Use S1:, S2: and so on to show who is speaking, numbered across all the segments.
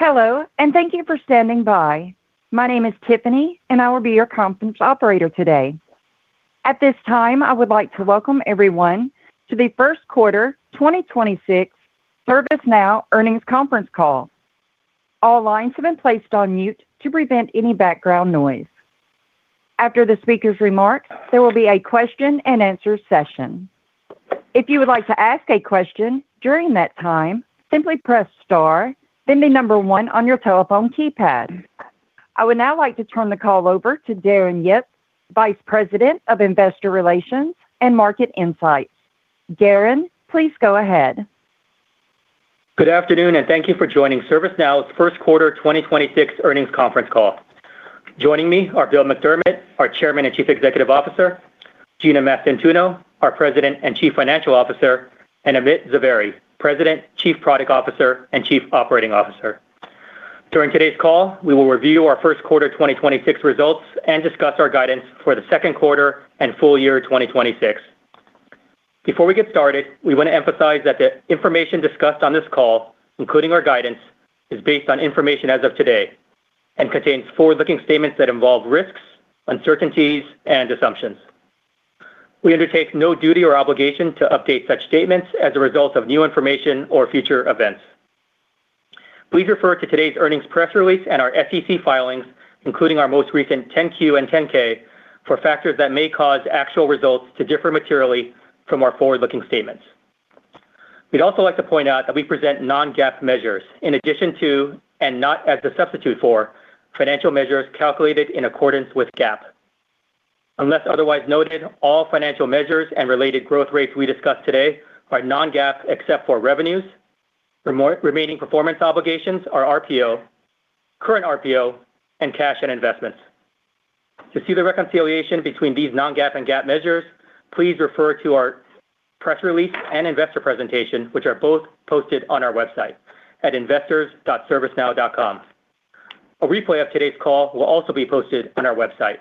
S1: Hello, and thank you for standing by. My name is Tiffany, and I will be your conference operator today. At this time, I would like to welcome everyone to the first quarter 2026 ServiceNow earnings conference call. All lines have been placed on mute to prevent any background noise. After the speaker's remarks, there will be a question and answer session. If you would like to ask a question during that time, simply press star then the number one on your telephone keypad. I would now like to turn the call over to Darren Yip, Vice President of Investor Relations and Market Insights. Darren, please go ahead.
S2: Good afternoon, and thank you for joining ServiceNow's first quarter 2026 earnings conference call. Joining me are Bill McDermott, our Chairman and Chief Executive Officer, Gina Mastantuono, our President and Chief Financial Officer, and Amit Zavery, President, Chief Product Officer, and Chief Operating Officer. During today's call, we will review our first quarter 2026 results and discuss our guidance for the second quarter and full year 2026. Before we get started, we want to emphasize that the information discussed on this call, including our guidance, is based on information as of today and contains forward-looking statements that involve risks, uncertainties, and assumptions. We undertake no duty or obligation to update such statements as a result of new information or future events. Please refer to today's earnings press release and our SEC filings, including our most recent 10-Q and 10-K, for factors that may cause actual results to differ materially from our forward-looking statements. We'd also like to point out that we present non-GAAP measures in addition to, and not as a substitute for, financial measures calculated in accordance with GAAP. Unless otherwise noted, all financial measures and related growth rates we discuss today are non-GAAP except for revenues, remaining performance obligations or RPO, current RPO, and cash and investments. To see the reconciliation between these non-GAAP and GAAP measures, please refer to our press release and investor presentation, which are both posted on our website at investors.servicenow.com. A replay of today's call will also be posted on our website.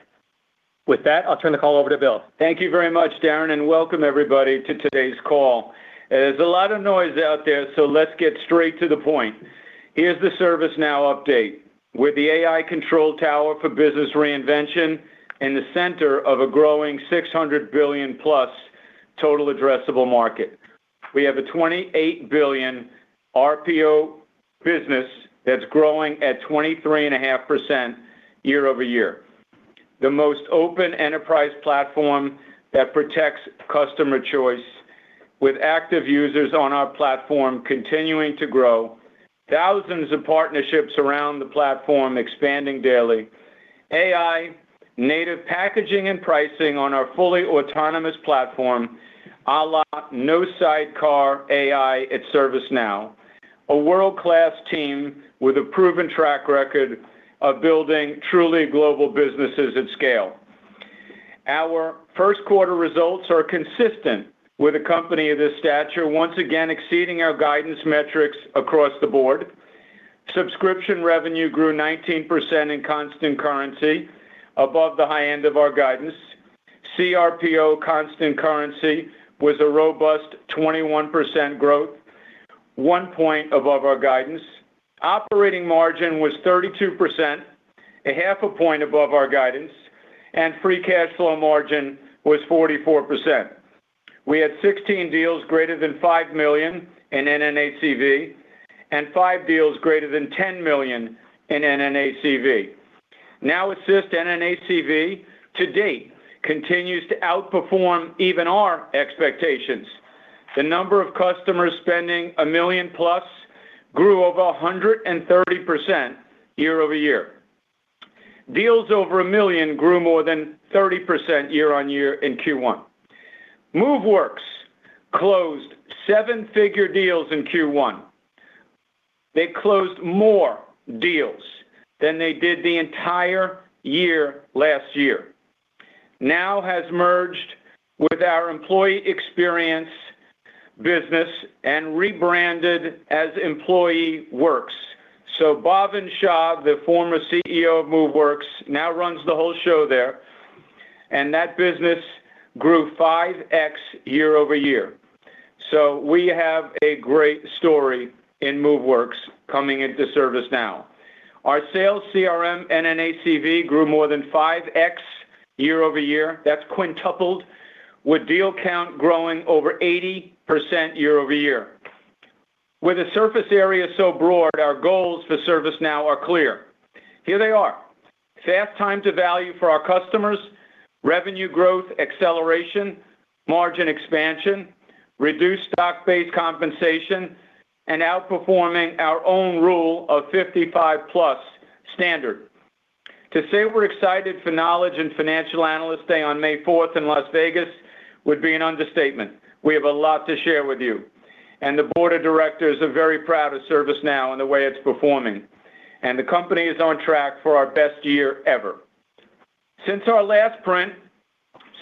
S2: With that, I'll turn the call over to Bill.
S3: Thank you very much, Darren, and welcome everybody to today's call. There's a lot of noise out there, so let's get straight to the point. Here's the ServiceNow update. We're the AI Control Tower for business reinvention in the center of a growing $600 billion-plus total addressable market. We have a $28 billion RPO business that's growing at 23.5% year-over-year. The most open enterprise platform that protects customer choice, with active users on our platform continuing to grow, thousands of partnerships around the platform expanding daily, AI native packaging and pricing on our fully autonomous platform, a la no sidecar AI at ServiceNow, a world-class team with a proven track record of building truly global businesses at scale. Our first quarter results are consistent with a company of this stature, once again exceeding our guidance metrics across the board. Subscription revenue grew 19% in constant currency above the high end of our guidance. CRPO constant currency was a robust 21% growth, one point above our guidance. Operating margin was 32%, a half a point above our guidance, and free cash flow margin was 44%. We had 16 deals greater than $5 million in NNACV and 5 deals greater than $10 million in NNACV. Now Assist NNACV to date continues to outperform even our expectations. The number of customers spending $1 million-plus grew over 130% year-over-year. Deals over $1 million grew more than 30% year-over-year in Q1. Moveworks closed seven-figure deals in Q1. They closed more deals than they did the entire year last year. Now has merged with our employee experience business and rebranded as EmployeeWorks. Bhavin Shah, the former CEO of Moveworks, now runs the whole show there, and that business grew 5x year-over-year. We have a great story in Moveworks coming into ServiceNow. Our sales CRM NNACV grew more than 5x year-over-year. That's quintupled, with deal count growing over 80% year-over-year. With a surface area so broad, our goals for ServiceNow are clear. Here they are. Fast time to value for our customers, revenue growth acceleration, margin expansion, reduced stock-based compensation, and outperforming our own rule of 55+ standard. To say we're excited for Knowledge and Financial Analyst Day on May 4 in Las Vegas would be an understatement. We have a lot to share with you, and the Board of Directors are very proud of ServiceNow and the way it's performing. The company is on track for our best year ever. Since our last print,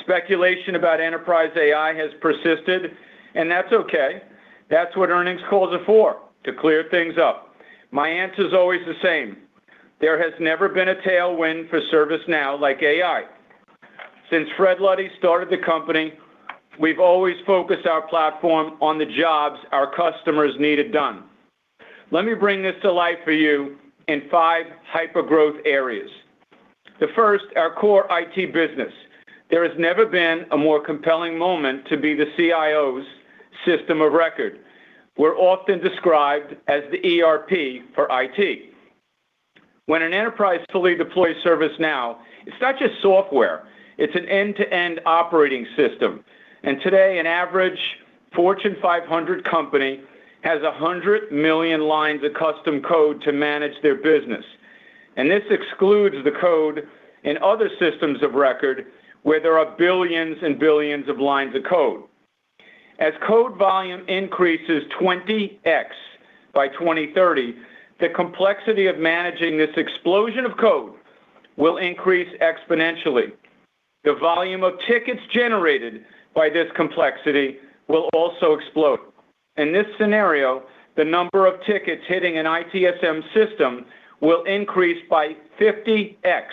S3: speculation about enterprise AI has persisted, and that's okay. That's what earnings calls are for, to clear things up. My answer's always the same. There has never been a tailwind for ServiceNow like AI. Since Fred Luddy started the company, we've always focused our platform on the jobs our customers needed done. Let me bring this to life for you in five hyper-growth areas. The first, our core IT business. There has never been a more compelling moment to be the CIO's system of record. We're often described as the ERP for IT. When an enterprise fully deploys ServiceNow, it's not just software, it's an end-to-end operating system. Today, an average Fortune 500 company has 100 million lines of custom code to manage their business. This excludes the code in other systems of record where there are billions and billions of lines of code. As code volume increases 20x by 2030, the complexity of managing this explosion of code will increase exponentially. The volume of tickets generated by this complexity will also explode. In this scenario, the number of tickets hitting an ITSM system will increase by 50x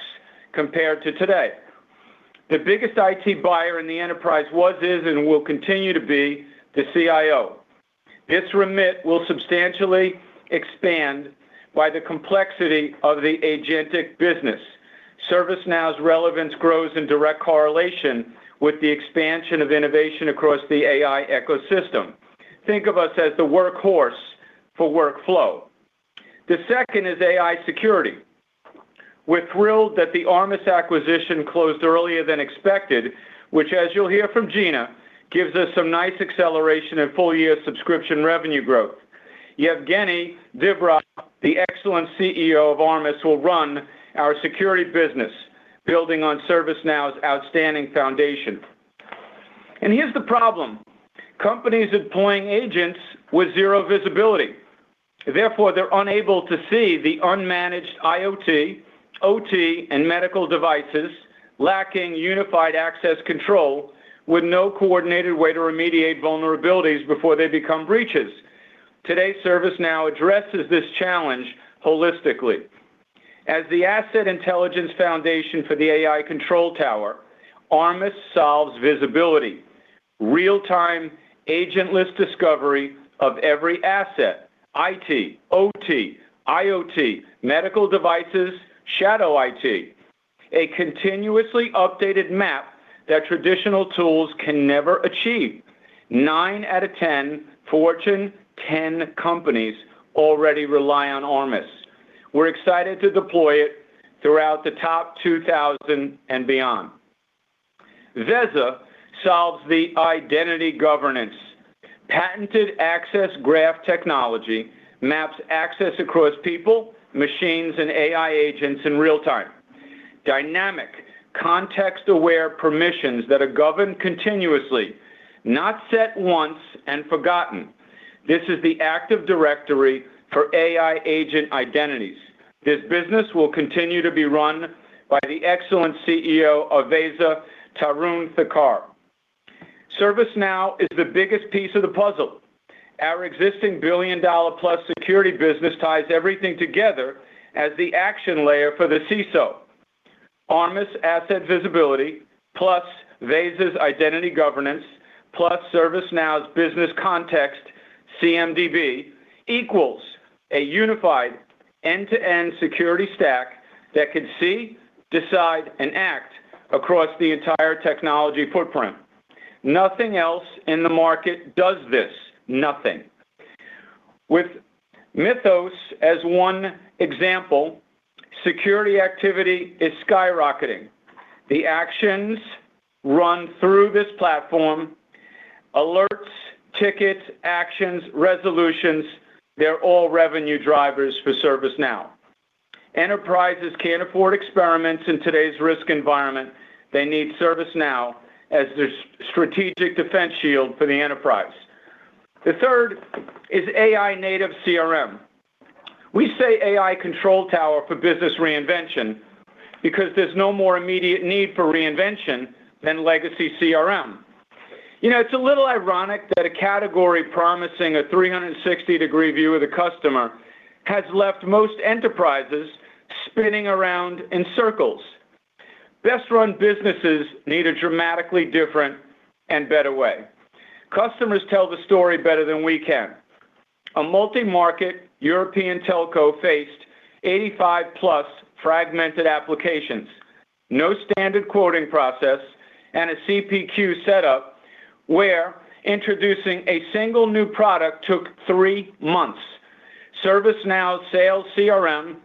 S3: compared to today. The biggest IT buyer in the enterprise was, is, and will continue to be the CIO. This remit will substantially expand by the complexity of the agentic business. ServiceNow's relevance grows in direct correlation with the expansion of innovation across the AI ecosystem. Think of us as the workhorse for workflow. The second is AI security. We're thrilled that the Armis acquisition closed earlier than expected, which, as you'll hear from Gina, gives us some nice acceleration in full-year subscription revenue growth. Yevgeny Dibrov, the excellent CEO of Armis, will run our security business, building on ServiceNow's outstanding foundation. Here's the problem. Companies deploying agents with zero visibility, therefore they're unable to see the unmanaged IoT, OT, and medical devices lacking unified access control with no coordinated way to remediate vulnerabilities before they become breaches. Today, ServiceNow addresses this challenge holistically. As the asset intelligence foundation for the AI Control Tower, Armis solves visibility, real-time agentless discovery of every asset, IT, OT, IoT, medical devices, shadow IT. A continuously updated map that traditional tools can never achieve. Nine out of 10 Fortune 10 companies already rely on Armis. We're excited to deploy it throughout the top 2,000 and beyond. Veza solves the identity governance. Patented access graph technology maps access across people, machines, and AI agents in real time. Dynamic, context-aware permissions that are governed continuously, not set once and forgotten. This is the active directory for AI agent identities. This business will continue to be run by the excellent CEO of Veza, Tarun Thakur. ServiceNow is the biggest piece of the puzzle. Our existing billion-dollar-plus security business ties everything together as the action layer for the CISO. Armis asset visibility plus Veza's identity governance plus ServiceNow's business context, CMDB, equals a unified end-to-end security stack that can see, decide, and act across the entire technology footprint. Nothing else in the market does this. Nothing. With Mythos as one example, security activity is skyrocketing. The actions run through this platform. Alerts, tickets, actions, resolutions, they're all revenue drivers for ServiceNow. Enterprises can't afford experiments in today's risk environment. They need ServiceNow as their strategic defense shield for the enterprise. The third is AI native CRM. We say AI Control Tower for business reinvention because there's no more immediate need for reinvention than legacy CRM. It's a little ironic that a category promising a 360-degree view of the customer has left most enterprises spinning around in circles. Best-run businesses need a dramatically different and better way. Customers tell the story better than we can. A multi-market European telco faced 85+ fragmented applications, no standard quoting process, and a CPQ setup where introducing a single new product took three months. ServiceNow Sales CRM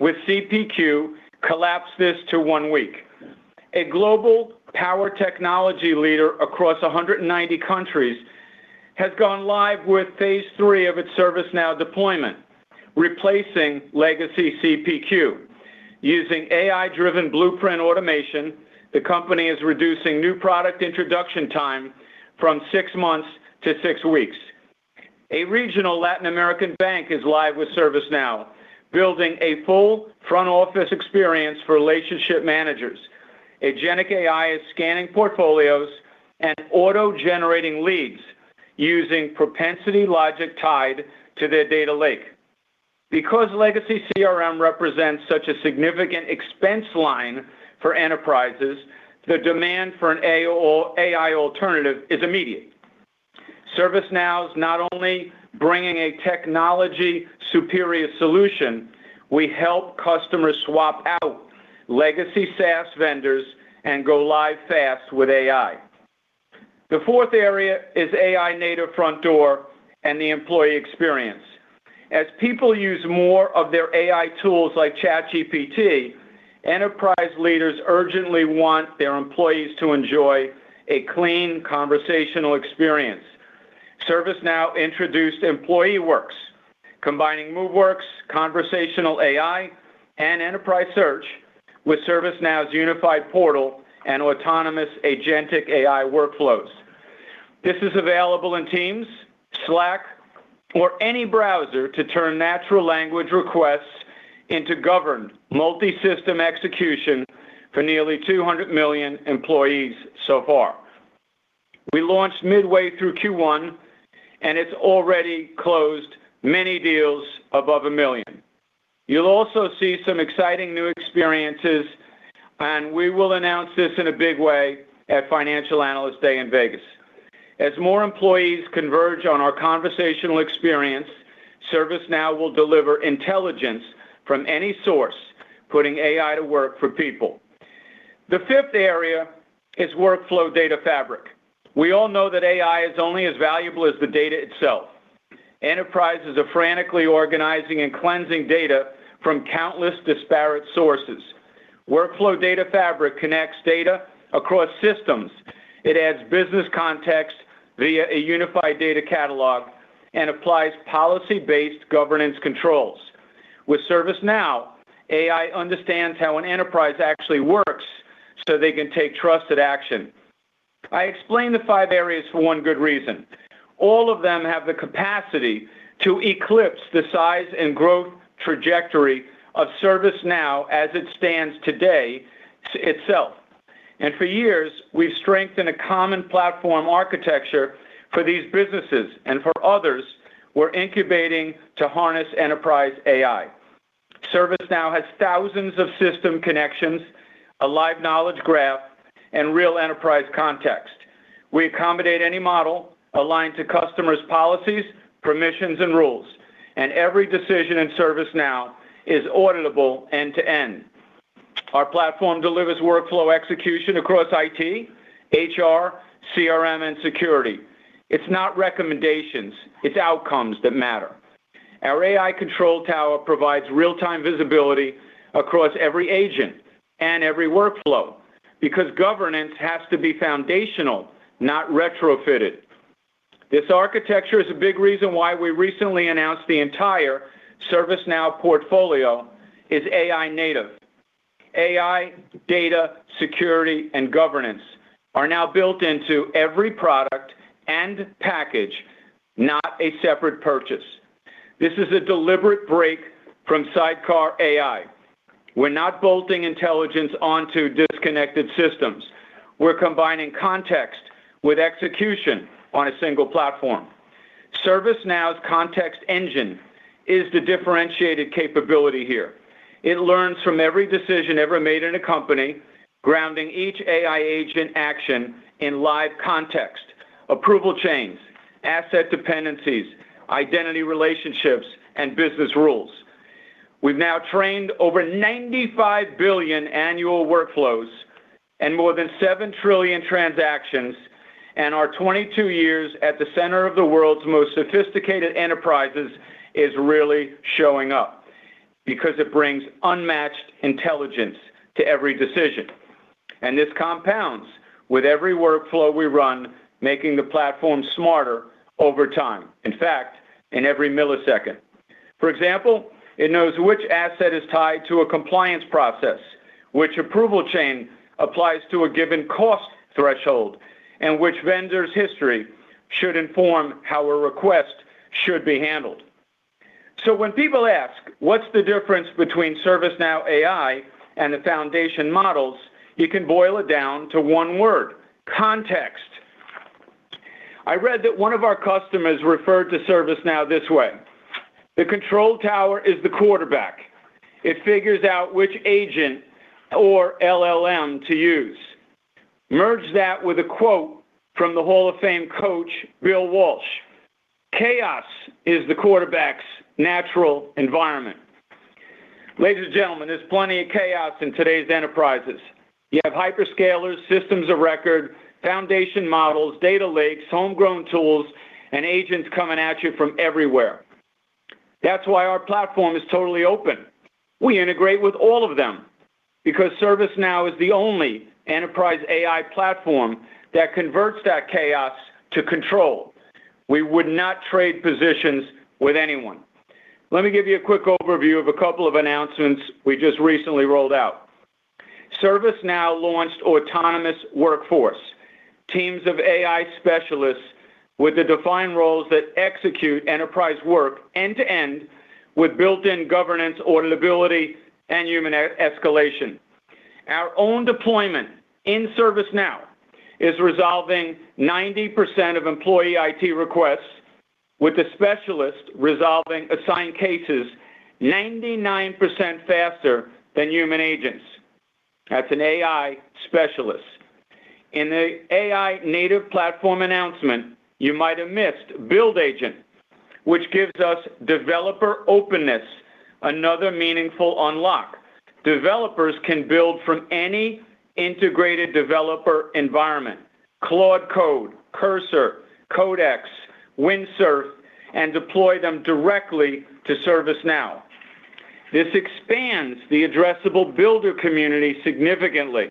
S3: with CPQ collapsed this to one week. A global power technology leader across 190 countries has gone live with phase three of its ServiceNow deployment, replacing legacy CPQ. Using AI-driven blueprint automation, the company is reducing new product introduction time from six months to six weeks. A regional Latin American bank is live with ServiceNow, building a full front office experience for relationship managers. Agentic AI is scanning portfolios and auto-generating leads using propensity logic tied to their data lake. Because legacy CRM represents such a significant expense line for enterprises, the demand for an AI alternative is immediate. ServiceNow is not only bringing a technologically superior solution, we help customers swap out legacy SaaS vendors and go live fast with AI. The fourth area is AI-native front door and the employee experience. As people use more of their AI tools like ChatGPT, enterprise leaders urgently want their employees to enjoy a clean conversational experience. ServiceNow introduced EmployeeWorks, combining Moveworks, conversational AI, and enterprise search with ServiceNow's unified portal and autonomous agentic AI workflows. This is available in Teams, Slack, or any browser to turn natural language requests into governed multi-system execution for nearly 200 million employees so far. We launched midway through Q1 and it's already closed many deals above $1 million. You'll also see some exciting new experiences, and we will announce this in a big way at Financial Analyst Day in Vegas. As more employees converge on our conversational experience, ServiceNow will deliver intelligence from any source, putting AI to work for people. The fifth area is Workflow Data Fabric. We all know that AI is only as valuable as the data itself. Enterprises are frantically organizing and cleansing data from countless disparate sources. Workflow Data Fabric connects data across systems. It adds business context via a unified data catalog and applies policy-based governance controls. With ServiceNow, AI understands how an enterprise actually works so they can take trusted action. I explained the five areas for one good reason. All of them have the capacity to eclipse the size and growth trajectory of ServiceNow as it stands today itself. For years, we've strengthened a common platform architecture for these businesses and for others we're incubating to harness enterprise AI. ServiceNow has thousands of system connections, a live knowledge graph, and real enterprise context. We accommodate any model, align to customers' policies, permissions, and rules, and every decision in ServiceNow is auditable end-to-end. Our platform delivers workflow execution across IT, HR, CRM, and security. It's not recommendations, it's outcomes that matter. Our AI Control Tower provides real-time visibility across every agent and every workflow, because governance has to be foundational, not retrofitted. This architecture is a big reason why we recently announced the entire ServiceNow portfolio is AI native. AI, data, security, and governance are now built into every product and package, not a separate purchase. This is a deliberate break from sidecar AI. We're not bolting intelligence onto disconnected systems. We're combining context with execution on a single platform. ServiceNow's Context Engine is the differentiated capability here. It learns from every decision ever made in a company, grounding each AI agent action in live context, approval chains, asset dependencies, identity relationships, and business rules. We've now trained over 95 billion annual workflows and more than 7 trillion transactions, and our 22 years at the center of the world's most sophisticated enterprises is really showing up, because it brings unmatched intelligence to every decision. This compounds with every workflow we run, making the platform smarter over time. In fact, in every millisecond. For example, it knows which asset is tied to a compliance process, which approval chain applies to a given cost threshold, and which vendor's history should inform how a request should be handled. When people ask, what's the difference between ServiceNow AI and the foundation models, you can boil it down to one word, context. I read that one of our customers referred to ServiceNow this way. The control tower is the quarterback. It figures out which agent or LLM to use. Merge that with a quote from the Hall of Fame coach, Bill Walsh, "Chaos is the quarterback's natural environment." Ladies and gentlemen, there's plenty of chaos in today's enterprises. You have hyperscalers, systems of record, foundation models, data lakes, homegrown tools, and agents coming at you from everywhere. That's why our platform is totally open. We integrate with all of them because ServiceNow is the only enterprise AI platform that converts that chaos to control. We would not trade positions with anyone. Let me give you a quick overview of a couple of announcements we just recently rolled out. ServiceNow launched Autonomous Workforce, teams of AI specialists with the defined roles that execute enterprise work end-to-end with built-in governance, auditability, and human escalation. Our own deployment in ServiceNow is resolving 90% of employee IT requests with a specialist resolving assigned cases 99% faster than human agents. That's an AI specialist. In the AI native platform announcement, you might have missed Build Agent, which gives us developer openness, another meaningful unlock. Developers can build from any integrated developer environment, Claude Code, Cursor, Codex, Windsurf, and deploy them directly to ServiceNow. This expands the addressable builder community significantly.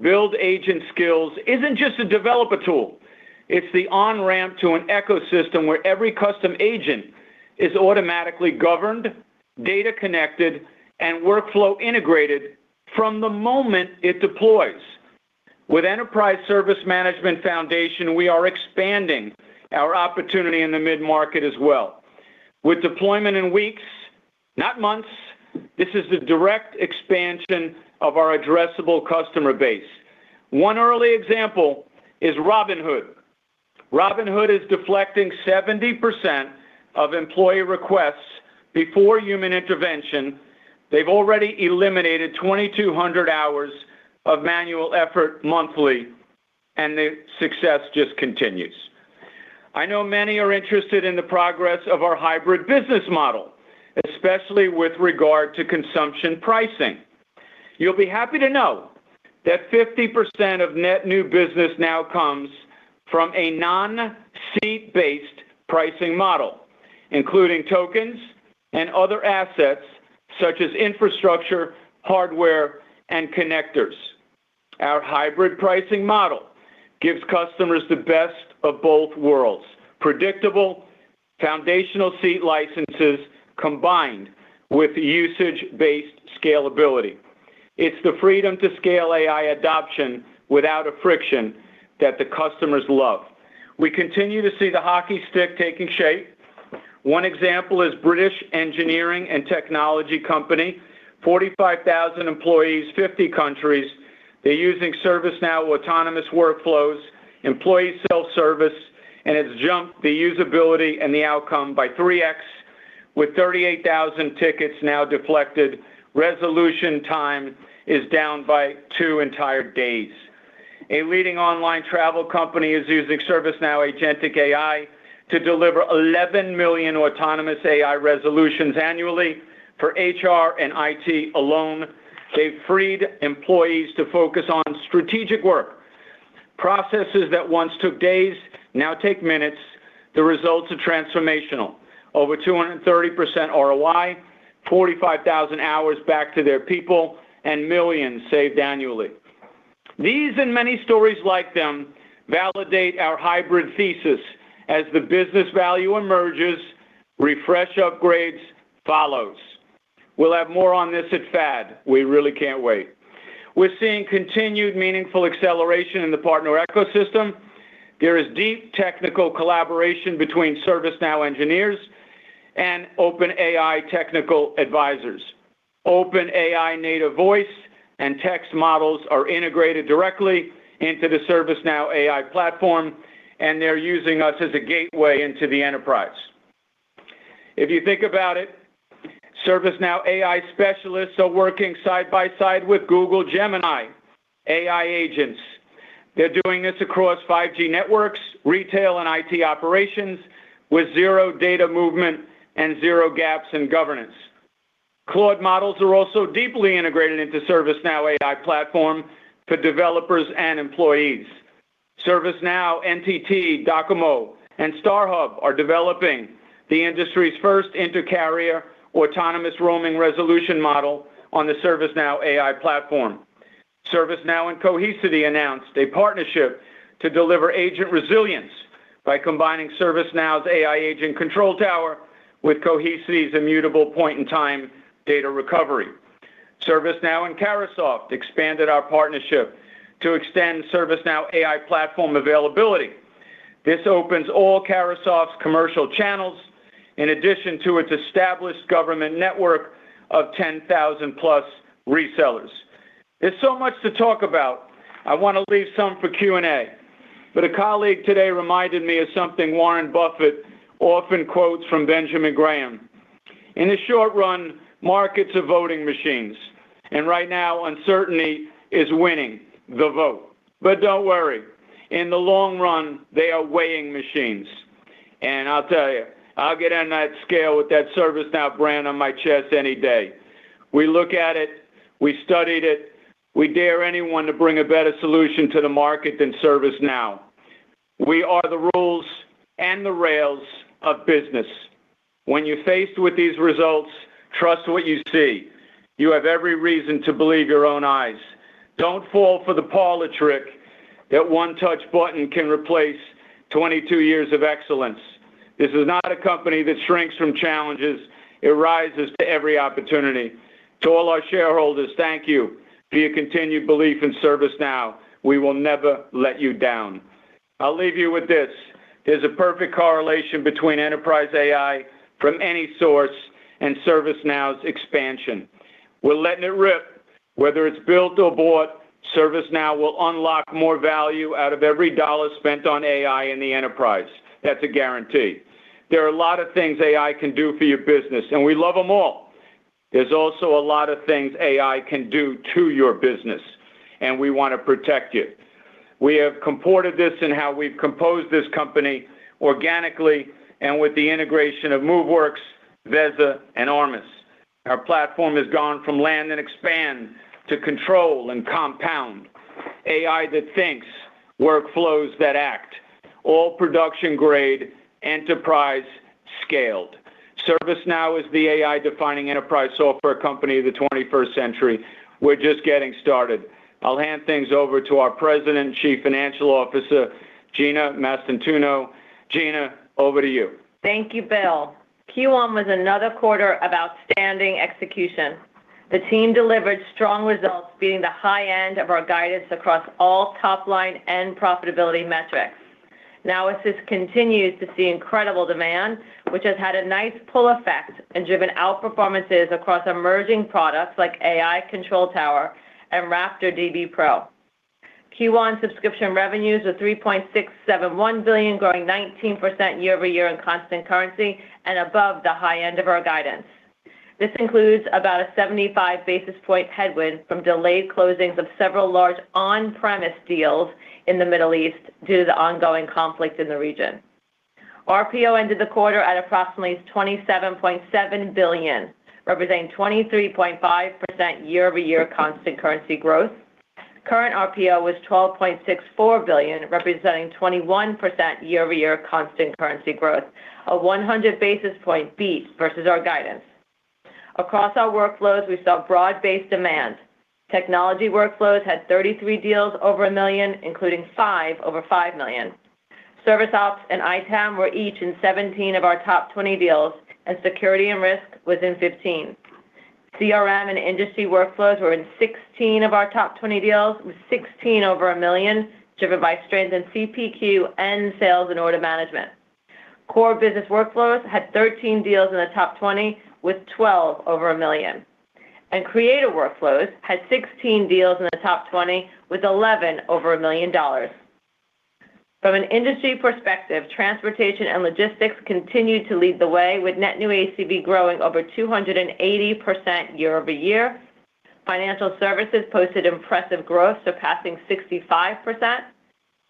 S3: Build Agent skills isn't just a developer tool. It's the on-ramp to an ecosystem where every custom agent is automatically governed, data connected, and workflow integrated from the moment it deploys. With Enterprise Service Management Foundation, we are expanding our opportunity in the mid-market as well. With deployment in weeks, not months, this is the direct expansion of our addressable customer base. One early example is Robinhood. Robinhood is deflecting 70% of employee requests before human intervention. They've already eliminated 2,200 hours of manual effort monthly, and the success just continues. I know many are interested in the progress of our hybrid business model, especially with regard to consumption pricing. You'll be happy to know that 50% of net new business now comes from a non-seat-based pricing model, including tokens and other assets such as infrastructure, hardware, and connectors. Our hybrid pricing model gives customers the best of both worlds. Predictable foundational seat licenses combined with usage-based scalability. It's the freedom to scale AI adoption without a friction that the customers love. We continue to see the hockey stick taking shape. One example is British Engineering and Technology Company, 45,000 employees, 50 countries. They're using ServiceNow autonomous workflows, employee self-service, and it's jumped the usability and the outcome by 3X, with 38,000 tickets now deflected. Resolution time is down by two entire days. A leading online travel company is using ServiceNow agentic AI to deliver 11 million autonomous AI resolutions annually. For HR and IT alone, they've freed employees to focus on strategic work. Processes that once took days now take minutes. The results are transformational. Over 230% ROI, 45,000 hours back to their people, and millions saved annually. These and many stories like them validate our hybrid thesis. As the business value emerges, refresh upgrades follows. We'll have more on this at FAD. We really can't wait. We're seeing continued meaningful acceleration in the partner ecosystem. There is deep technical collaboration between ServiceNow engineers and OpenAI technical advisors. OpenAI native voice and text models are integrated directly into the ServiceNow AI Platform, and they're using us as a gateway into the enterprise. If you think about it, ServiceNow AI specialists are working side by side with Google Gemini AI agents. They're doing this across 5G networks, retail, and IT operations with zero data movement and zero gaps in governance. Claude models are also deeply integrated into the ServiceNow AI Platform for developers and employees. ServiceNow, NTT Docomo, and StarHub are developing the industry's first intercarrier autonomous roaming resolution model on the ServiceNow AI Platform. ServiceNow and Cohesity announced a partnership to deliver agent resilience by combining ServiceNow's AI Agent Control Tower with Cohesity's immutable point-in-time data recovery. ServiceNow and Carahsoft expanded our partnership to extend ServiceNow AI Platform availability. This opens all Carahsoft's commercial channels in addition to its established government network of 10,000+ resellers. There's so much to talk about. I want to leave some for Q&A. A colleague today reminded me of something Warren Buffett often quotes from Benjamin Graham. In the short run, markets are voting machines, and right now, uncertainty is winning the vote. Don't worry. In the long run, they are weighing machines. I'll tell you, I'll get on that scale with that ServiceNow brand on my chest any day. We look at it, we studied it. We dare anyone to bring a better solution to the market than ServiceNow. We are the rules and the rails of business. When you're faced with these results, trust what you see. You have every reason to believe your own eyes. Don't fall for the parlor trick that one touch button can replace 22 years of excellence. This is not a company that shrinks from challenges. It rises to every opportunity. To all our shareholders, thank you for your continued belief in ServiceNow. We will never let you down. I'll leave you with this. There's a perfect correlation between enterprise AI from any source and ServiceNow's expansion. We're letting it rip. Whether it's built or bought, ServiceNow will unlock more value out of every dollar spent on AI in the enterprise. That's a guarantee. There are a lot of things AI can do for your business, and we love them all. There's also a lot of things AI can do to your business, and we want to protect you. We have incorporated this in how we've composed this company organically and with the integration of Moveworks, Veza, and Armis. Our platform has gone from land and expand to control and compound. AI that thinks, workflows that act, all production-grade, enterprise-scaled. ServiceNow is the AI-defining enterprise software company of the 21st century. We're just getting started. I'll hand things over to our President and Chief Financial Officer, Gina Mastantuono. Gina, over to you.
S4: Thank you, Bill. Q1 was another quarter of outstanding execution. The team delivered strong results, beating the high end of our guidance across all top-line and profitability metrics. Now Assist continues to see incredible demand, which has had a nice pull effect and driven outperformance across emerging products like AI Control Tower and RaptorDB Pro. Q1 subscription revenues was $3.671 billion, growing 19% year-over-year in constant currency and above the high end of our guidance. This includes about a 75 basis point headwind from delayed closings of several large on-premise deals in the Middle East due to the ongoing conflict in the region. RPO ended the quarter at approximately $27.7 billion, representing 23.5% year-over-year constant currency growth. Current RPO was $12.64 billion, representing 21% year-over-year constant currency growth, a 100 basis point beat versus our guidance. Across our workflows, we saw broad-based demand. Technology workflows had 33 deals over $1 million, including five over $5 million. ServiceOps and ITAM were each in 17 of our top 20 deals, and security and risk was in 15. CRM and industry workflows were in 16 of our top 20 deals, with 16 over $1 million, driven by strength in CPQ and Sales and Order Management. Core business workflows had 13 deals in the top 20, with 12 over $1 million. Creative workflows had 16 deals in the top 20, with 11 over $1 million. From an industry perspective, transportation and logistics continued to lead the way with net new ACV growing over 280% year-over-year. Financial services posted impressive growth, surpassing 65%,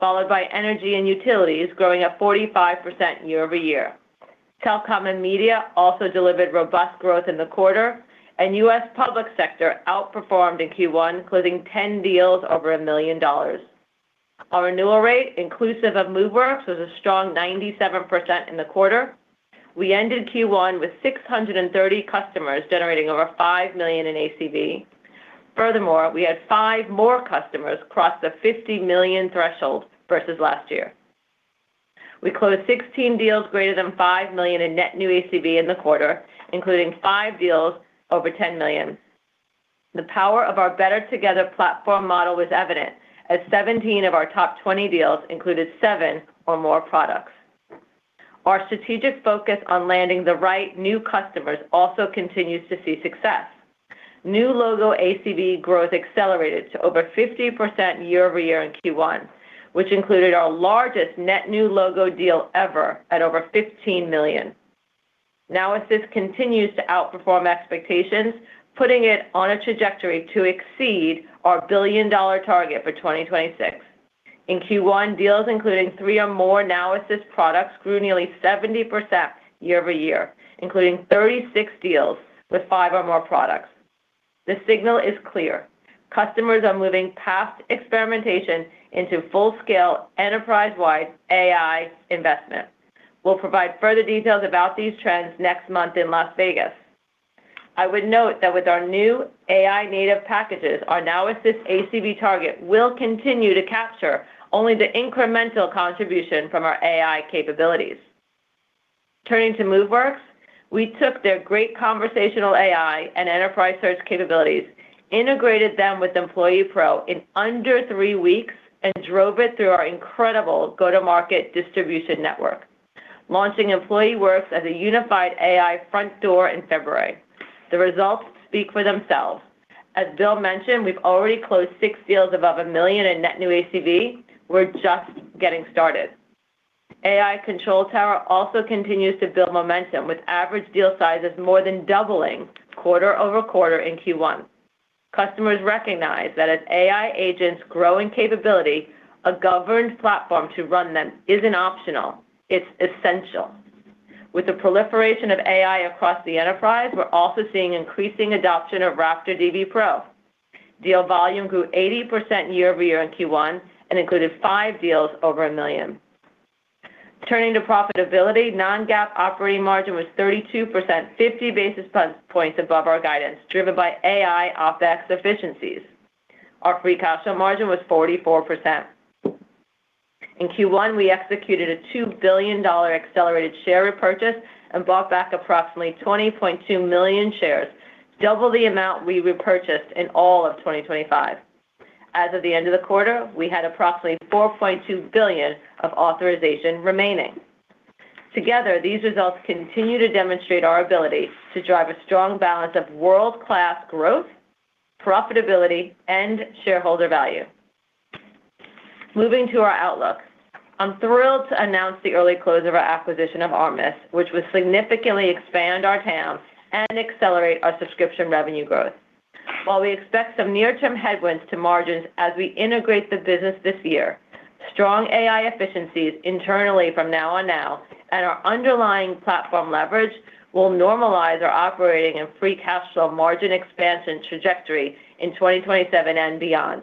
S4: followed by energy and utilities growing at 45% year-over-year. Telecom and media also delivered robust growth in the quarter, and U.S. public sector outperformed in Q1, closing 10 deals over $1 million. Our renewal rate, inclusive of Moveworks, was a strong 97% in the quarter. We ended Q1 with 630 customers generating over $5 million in ACV. Furthermore, we had five more customers cross the $50 million threshold versus last year. We closed 16 deals greater than $5 million in net new ACV in the quarter, including five deals over $10 million. The power of our better together platform model was evident, as 17 of our top 20 deals included seven or more products. Our strategic focus on landing the right new customers also continues to see success. New logo ACV growth accelerated to over 50% year-over-year in Q1, which included our largest net new logo deal ever at over $15 million. Now Assist continues to outperform expectations, putting it on a trajectory to exceed our billion-dollar target for 2026. In Q1, deals including three or more Now Assist products grew nearly 70% year-over-year, including 36 deals with five or more products. The signal is clear. Customers are moving past experimentation into full-scale, enterprise-wide AI investment. We'll provide further details about these trends next month in Las Vegas. I would note that with our new AI native packages, our Now Assist ACV target will continue to capture only the incremental contribution from our AI capabilities. Turning to Moveworks, we took their great conversational AI and enterprise search capabilities, integrated them with Employee Center Pro in under three weeks, and drove it through our incredible go-to-market distribution network, launching EmployeeWorks as a unified AI front door in February. The results speak for themselves. As Bill mentioned, we've already closed 6 deals above $1 million in net new ACV. We're just getting started. AI Control Tower also continues to build momentum with average deal sizes more than doubling quarter-over-quarter in Q1. Customers recognize that as AI agents' growing capability, a governed platform to run them isn't optional, it's essential. With the proliferation of AI across the enterprise, we're also seeing increasing adoption of RaptorDB Pro. Deal volume grew 80% year-over-year in Q1 and included 5 deals over $1 million. Turning to profitability, non-GAAP operating margin was 32%, 50 basis points above our guidance, driven by AI OpEx efficiencies. Our free cash flow margin was 44%. In Q1, we executed a $2 billion accelerated share repurchase and bought back approximately 20.2 million shares. Double the amount we repurchased in all of 2025. As of the end of the quarter, we had approximately $4.2 billion of authorization remaining. Together, these results continue to demonstrate our ability to drive a strong balance of world-class growth, profitability, and shareholder value. Moving to our outlook. I'm thrilled to announce the early close of our acquisition of Armis, which will significantly expand our TAM and accelerate our subscription revenue growth. While we expect some near-term headwinds to margins as we integrate the business this year, strong AI efficiencies internally from Now on Now and our underlying platform leverage will normalize our operating and free cash flow margin expansion trajectory in 2027 and beyond.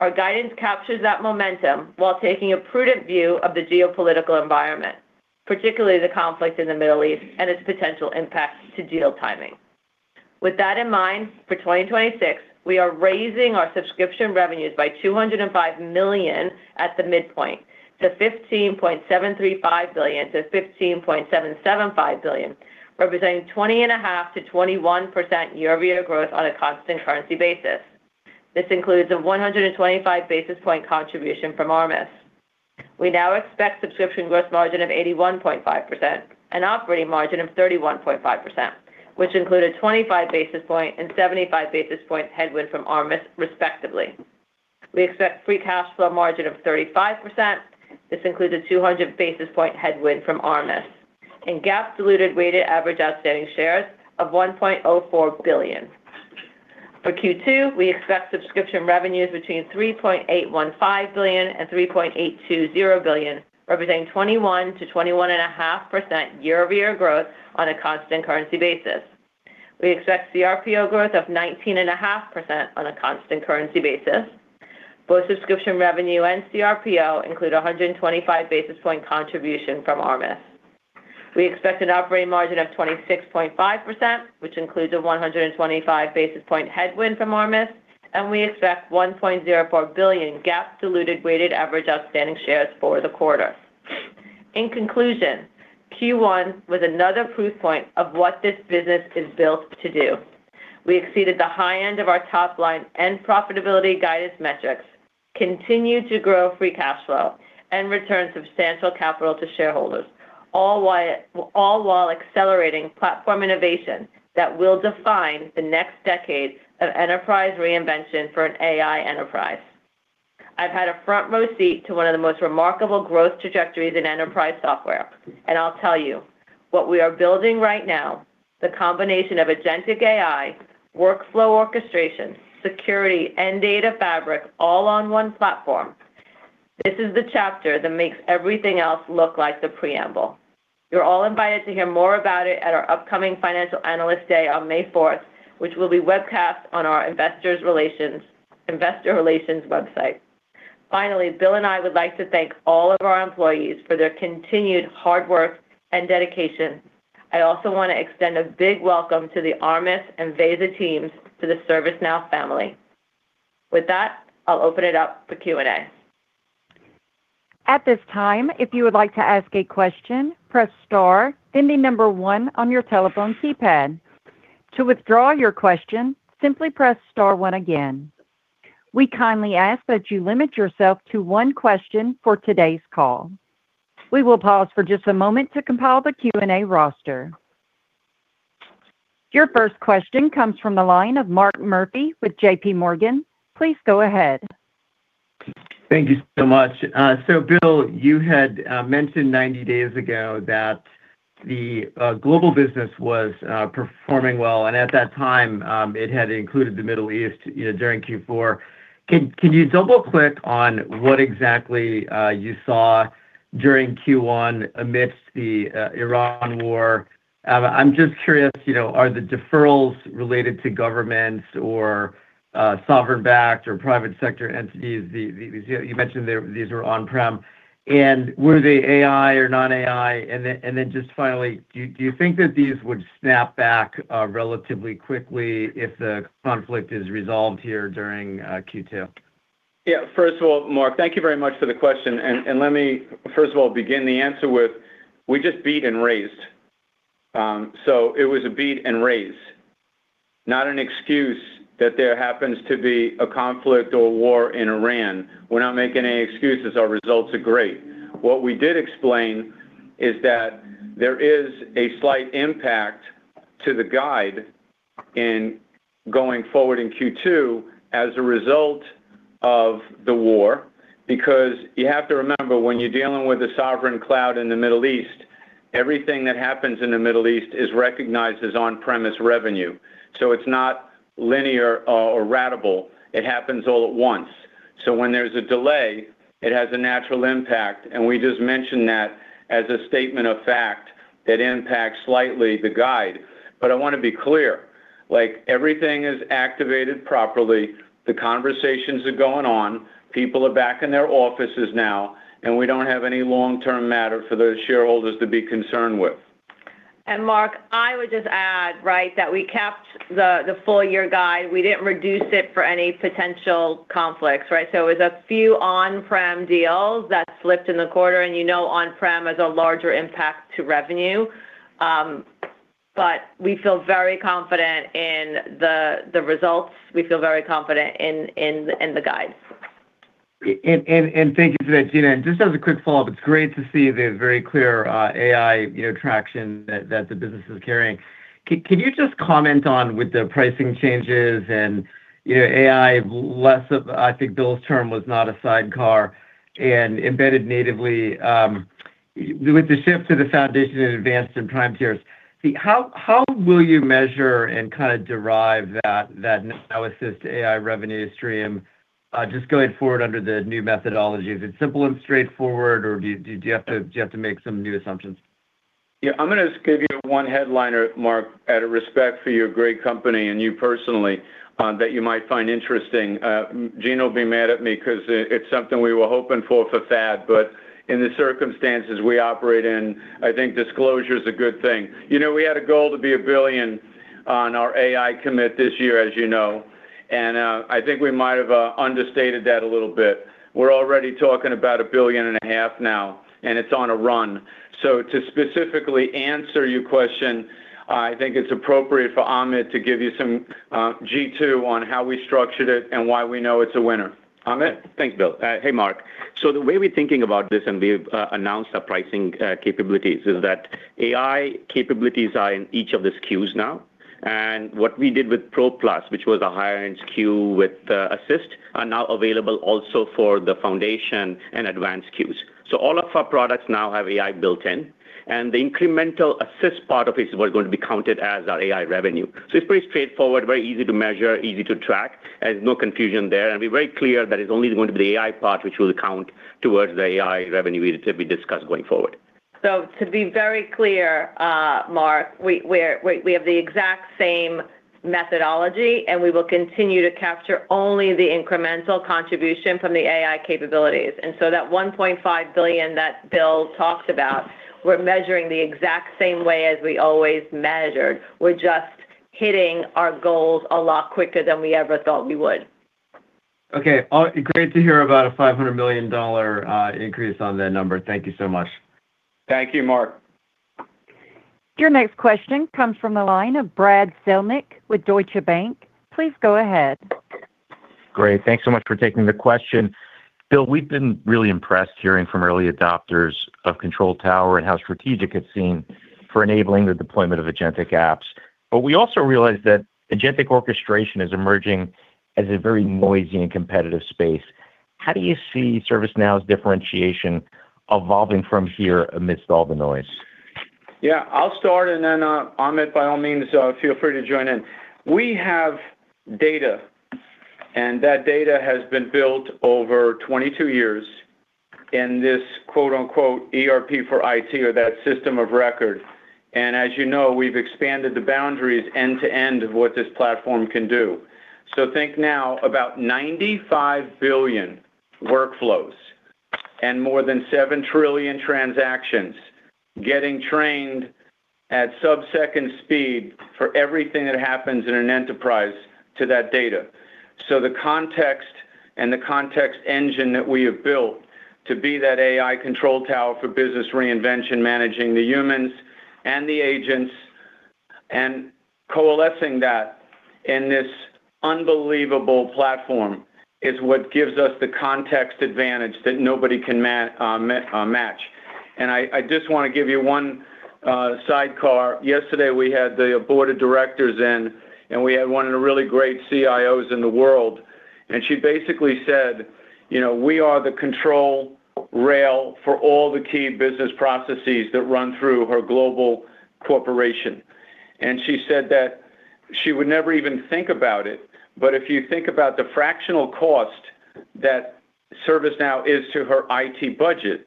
S4: Our guidance captures that momentum while taking a prudent view of the geopolitical environment, particularly the conflict in the Middle East and its potential impacts to deal timing. With that in mind, for 2026, we are raising our subscription revenues by $205 million at the midpoint to $15.735 billion-$15.775 billion, representing 20.5%-21% year-over-year growth on a constant currency basis. This includes a 125 basis points contribution from Armis. We now expect subscription gross margin of 81.5% and operating margin of 31.5%, which include a 25 basis points and 75 basis points headwind from Armis respectively. We expect free cash flow margin of 35%. This includes a 200 basis points headwind from Armis and GAAP diluted weighted average outstanding shares of 1.04 billion. For Q2, we expect subscription revenues between $3.815 billion and $3.820 billion, representing 21%-21.5% year-over-year growth on a constant currency basis. We expect CRPO growth of 19.5% on a constant currency basis. Both subscription revenue and CRPO include 125 basis points contribution from Armis. We expect an operating margin of 26.5%, which includes a 125 basis points headwind from Armis, and we expect 1.04 billion GAAP diluted weighted average outstanding shares for the quarter. In conclusion, Q1 was another proof point of what this business is built to do. We exceeded the high end of our top line and profitability guidance metrics, continued to grow free cash flow, and return substantial capital to shareholders, all while accelerating platform innovation that will define the next decade of enterprise reinvention for an AI enterprise. I've had a front-row seat to one of the most remarkable growth trajectories in enterprise software, and I'll tell you what we are building right now, the combination of agentic AI, workflow orchestration, security, and data fabric all on one platform. This is the chapter that makes everything else look like the preamble. You're all invited to hear more about it at our upcoming Financial Analyst Day on May 4th, which will be webcast on our investor relations website. Finally, Bill and I would like to thank all of our employees for their continued hard work and dedication. I also want to extend a big welcome to the Armis and Veza teams to the ServiceNow family. With that, I'll open it up for Q&A.
S1: At this time, if you would like to ask a question, press star, then the number one on your telephone keypad. To withdraw your question, simply press star one again. We kindly ask that you limit yourself to one question for today's call. We will pause for just a moment to compile the Q&A roster. Your first question comes from the line of Mark Murphy with JPMorgan. Please go ahead.
S5: Thank you so much. Bill, you had mentioned 90 days ago that the global business was performing well, and at that time, it had included the Middle East during Q4. Can you double-click on what exactly you saw during Q1 amidst the Iran war? I'm just curious, are the deferrals related to governments or sovereign-backed or private sector entities? You mentioned these were on-prem. Were they AI or non-AI? Just finally, do you think that these would snap back relatively quickly if the conflict is resolved here during Q2?
S3: Yeah. First of all, Mark, thank you very much for the question. Let me first of all begin the answer with, we just beat and raised. It was a beat and raise, not an excuse that there happens to be a conflict or war in Iran. We're not making any excuses. Our results are great. What we did explain is that there is a slight impact to the guide in going forward in Q2 as a result of the war, because you have to remember, when you're dealing with a sovereign cloud in the Middle East, everything that happens in the Middle East is recognized as on-premise revenue. It's not linear or ratable. It happens all at once. When there's a delay, it has a natural impact, and we just mention that as a statement of fact that impacts slightly the guide. I want to be clear. Everything is activated properly. The conversations are going on. People are back in their offices now, and we don't have any long-term matter for those shareholders to be concerned with.
S4: Mark, I would just add that we kept the full year guidance. We didn't reduce it for any potential conflicts. It was a few on-prem deals that slipped in the quarter, and you know on-prem has a larger impact to revenue. We feel very confident in the results. We feel very confident in the guidance.
S5: Thank you for that, Gina. Just as a quick follow-up, it's great to see the very clear AI traction that the business is carrying. Can you just comment on, with the pricing changes and AI, less of, I think Bill's term was not a sidecar and embedded natively with the shift to the Foundation and Advanced and Prime tiers. How will you measure and kind of derive that analysis to AI revenue stream, just going forward under the new methodology? Is it simple and straightforward, or do you have to make some new assumptions?
S3: Yeah. I'm going to give you one headliner, Mark, out of respect for your great company and you personally, that you might find interesting. Gina will be mad at me because it's something we were hoping for FAD, but in the circumstances we operate in, I think disclosure's a good thing. We had a goal to be $1 billion on our AI commit this year, as you know, and I think we might have understated that a little bit. We're already talking about $1.5 billion now, and it's on a run. To specifically answer your question, I think it's appropriate for Amit to give you some G2 on how we structured it and why we know it's a winner. Amit?
S6: Thanks, Bill. Hey, Mark. The way we're thinking about this, and we've announced our pricing capabilities, is that AI capabilities are in each of the SKUs now. What we did with Pro Plus, which was a higher-end SKU with Assist, are now available also for the foundation and advanced SKUs. All of our products now have AI built in. The incremental assist part of it is what is going to be counted as our AI revenue. It's pretty straightforward, very easy to measure, easy to track, and no confusion there. Be very clear that it's only going to be the AI part, which will count towards the AI revenue that we discuss going forward.
S4: To be very clear, Mark, we have the exact same methodology, and we will continue to capture only the incremental contribution from the AI capabilities. That $1.5 billion that Bill talked about, we're measuring the exact same way as we always measured. We're just hitting our goals a lot quicker than we ever thought we would.
S5: Okay. Great to hear about a $500 million increase on that number. Thank you so much.
S3: Thank you, Mark.
S1: Your next question comes from the line of Brad Zelnick with Deutsche Bank. Please go ahead.
S7: Great. Thanks so much for taking the question. Bill, we've been really impressed hearing from early adopters of Control Tower and how strategic it's seen for enabling the deployment of agentic apps. But we also realize that agentic orchestration is emerging as a very noisy and competitive space. How do you see ServiceNow's differentiation evolving from here amidst all the noise?
S3: Yeah. I'll start, and then Amit, by all means, feel free to join in. We have data, and that data has been built over 22 years in this quote, unquote, "ERP for IT" or that system of record. As you know, we've expanded the boundaries end to end of what this platform can do. Think now about 95 billion workflows and more than 7 trillion transactions getting trained at sub-second speed for everything that happens in an enterprise to that data. The context and the Context Engine that we have built to be that AI Control Tower for business reinvention, managing the humans and the agents, and coalescing that in this unbelievable platform is what gives us the context advantage that nobody can match. I just want to give you one sidecar. Yesterday, we had the Board of Directors in, and we had one of the really great CIOs in the world, and she basically said we are the control rail for all the key business processes that run through her global corporation. She said that she would never even think about it, but if you think about the fractional cost that ServiceNow is to her IT budget,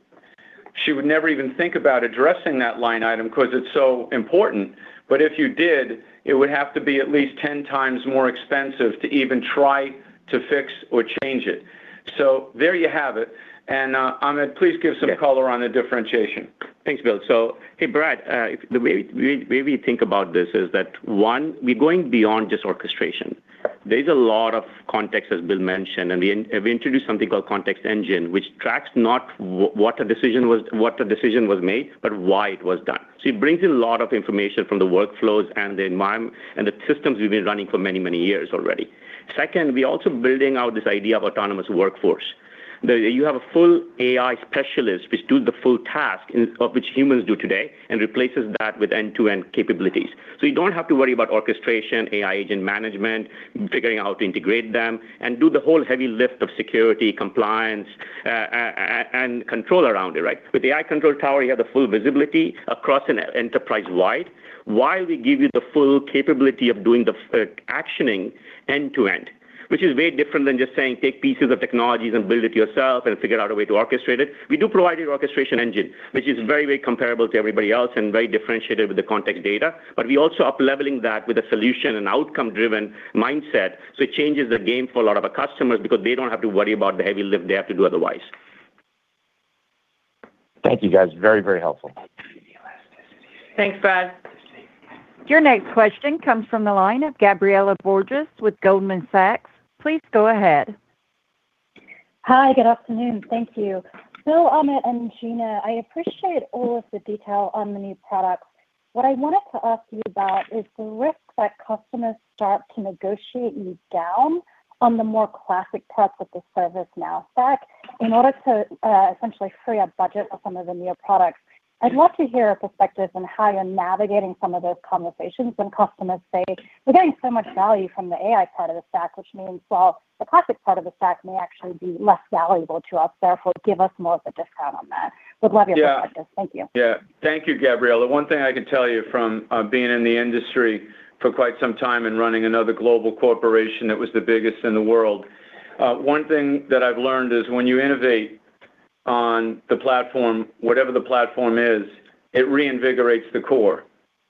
S3: she would never even think about addressing that line item because it's so important. If you did, it would have to be at least 10 times more expensive to even try to fix or change it. There you have it. Amit, please give some color on the differentiation.
S6: Thanks, Bill. Hey, Brad, the way we think about this is that, one, we're going beyond just orchestration.
S7: Right.
S6: There's a lot of context, as Bill mentioned, and we introduced something called Context Engine, which tracks not what the decision was made, but why it was done. It brings in a lot of information from the workflows and the environment and the systems we've been running for many, many years already. Second, we're also building out this idea of Autonomous Workforce. You have a full AI specialist, which do the full task of which humans do today and replaces that with end-to-end capabilities. You don't have to worry about orchestration, AI agent management, figuring out how to integrate them, and do the whole heavy lift of security, compliance, and control around it, right? With the AI Control Tower, you have the full visibility across enterprise-wide, while we give you the full capability of doing the actioning end to end, which is very different than just saying take pieces of technologies and build it yourself and figure out a way to orchestrate it. We do provide you orchestration engine, which is very, very comparable to everybody else and very differentiated with the context data. We also up-leveling that with a solution and outcome-driven mindset, so it changes the game for a lot of our customers because they don't have to worry about the heavy lift they have to do otherwise.
S7: Thank you, guys. Very, very helpful.
S4: Thanks, Brad.
S1: Your next question comes from the line of Gabriela Borges with Goldman Sachs. Please go ahead.
S8: Hi, good afternoon. Thank you. Bill, Amit, and Gina, I appreciate all of the detail on the new products. What I wanted to ask you about is the risk that customers start to negotiate you down on the more classic parts of the ServiceNow stack in order to essentially free up budget for some of the newer products. I'd love to hear a perspective on how you're navigating some of those conversations when customers say, "We're getting so much value from the AI part of the stack, which means the classic part of the stack may actually be less valuable to us, therefore give us more of a discount on that." Would love your perspective. Thank you.
S3: Yeah. Thank you, Gabriela. The one thing I can tell you from being in the industry for quite some time and running another global corporation that was the biggest in the world, one thing that I've learned is when you innovate on the platform, whatever the platform is, it reinvigorates the core.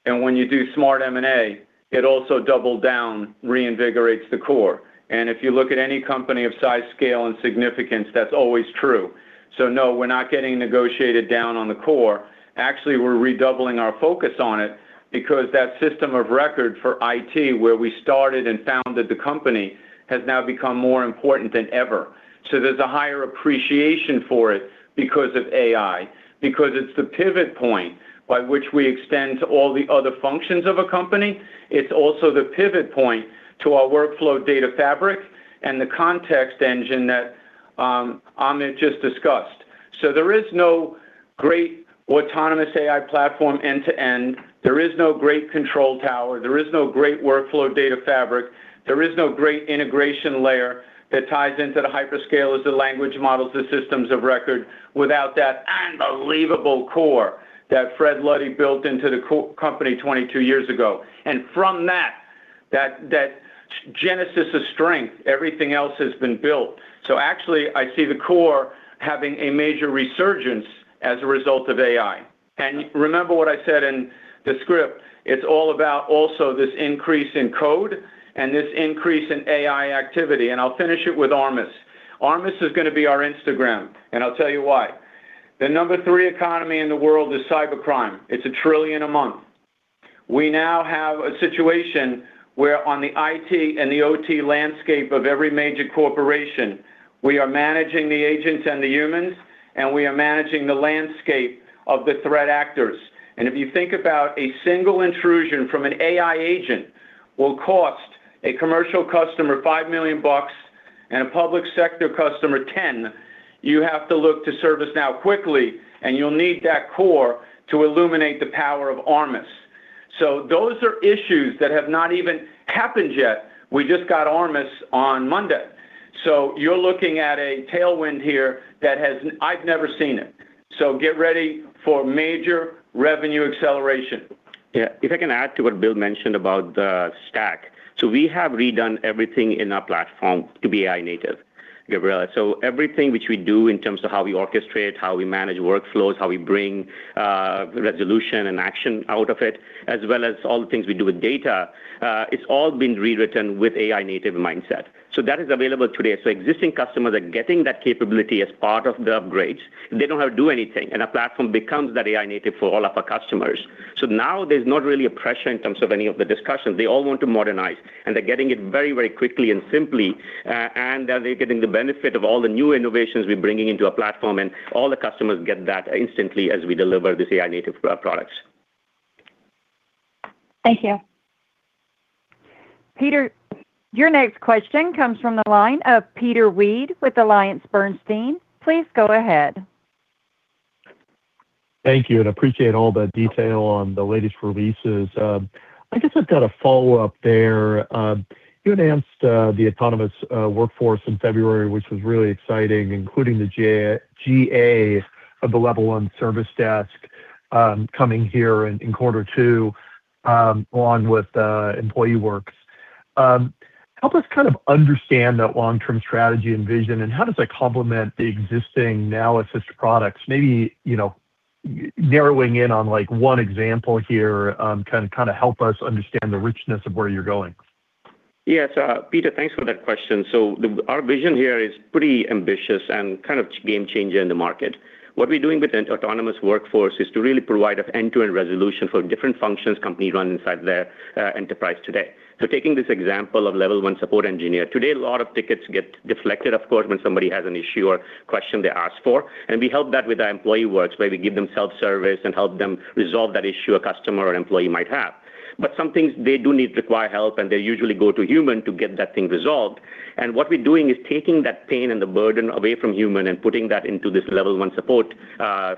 S3: When you do smart M&A, it also double down reinvigorates the core. If you look at any company of size, scale, and significance, that's always true. No, we're not getting negotiated down on the core. Actually, we're redoubling our focus on it because that system of record for IT, where we started and founded the company, has now become more important than ever. There's a higher appreciation for it because of AI, because it's the pivot point by which we extend to all the other functions of a company. It's also the pivot point to our Workflow Data Fabric and the Context Engine that Amit just discussed. There is no great autonomous AI platform end-to-end. There is no great Control Tower. There is no great Workflow Data Fabric. There is no great integration layer that ties into the hyperscalers, the language models, the systems of record without that unbelievable core that Fred Luddy built into the company 22 years ago. From that genesis of strength, everything else has been built. Actually, I see the core having a major resurgence as a result of AI. Remember what I said in the script, it's all about also this increase in code and this increase in AI activity. I'll finish it with Armis. Armis is going to be our Instagram, and I'll tell you why. The number three economy in the world is cybercrime. It's 1 trillion a month. We now have a situation where on the IT and the OT landscape of every major corporation, we are managing the agents and the humans, and we are managing the landscape of the threat actors. If you think about a single intrusion from an AI agent will cost a commercial customer $5 million and a public sector customer $10 million, you have to look to ServiceNow quickly, and you'll need that core to illuminate the power of Armis. Those are issues that have not even happened yet. We just got Armis on Monday. You're looking at a tailwind here that has. I've never seen it. Get ready for major revenue acceleration.
S6: Yeah. If I can add to what Bill mentioned about the stack. We have redone everything in our platform to be AI native, Gabriela. Everything which we do in terms of how we orchestrate, how we manage workflows, how we bring resolution and action out of it, as well as all the things we do with data, it's all been rewritten with AI native mindset. That is available today. Existing customers are getting that capability as part of the upgrades. They don't have to do anything. Our platform becomes that AI native for all of our customers. Now there's not really a pressure in terms of any of the discussions. They all want to modernize, and they're getting it very quickly and simply, and they're getting the benefit of all the new innovations we're bringing into our platform, and all the customers get that instantly as we deliver these AI native products.
S8: Thank you.
S1: Peter, your next question comes from the line of Peter Weed with AllianceBernstein. Please go ahead.
S9: Thank you, and appreciate all the detail on the latest releases. I guess I've got a follow-up there. You announced the Autonomous Workforce in February, which was really exciting, including the GA of the level one service desk coming here in quarter two along with EmployeeWorks. Help us kind of understand that long-term strategy and vision, and how does that complement the existing Now Assist products? Maybe narrowing in on one example here, kind of help us understand the richness of where you're going.
S6: Yes. Peter, thanks for that question. Our vision here is pretty ambitious and kind of game changer in the market. What we're doing with Autonomous Workforce is to really provide an end-to-end resolution for different functions companies run inside their enterprise today. Taking this example of level one support engineer. Today, a lot of tickets get deflected, of course, when somebody has an issue or question they ask for, and we help that with our EmployeeWorks, where we give them self-service and help them resolve that issue a customer or employee might have. But some things they do need require help, and they usually go to human to get that thing resolved. What we're doing is taking that pain and the burden away from human and putting that into this level one support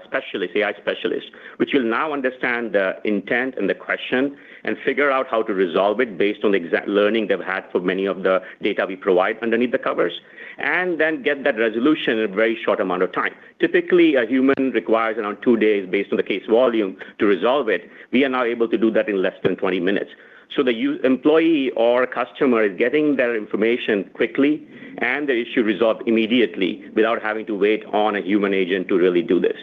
S6: specialist, AI specialist, which will now understand the intent and the question and figure out how to resolve it based on the exact learning they've had for many of the data we provide underneath the covers, and then get that resolution in a very short amount of time. Typically, a human requires around two days based on the case volume to resolve it. We are now able to do that in less than 20 minutes. The employee or customer is getting their information quickly, and the issue resolved immediately without having to wait on a human agent to really do this.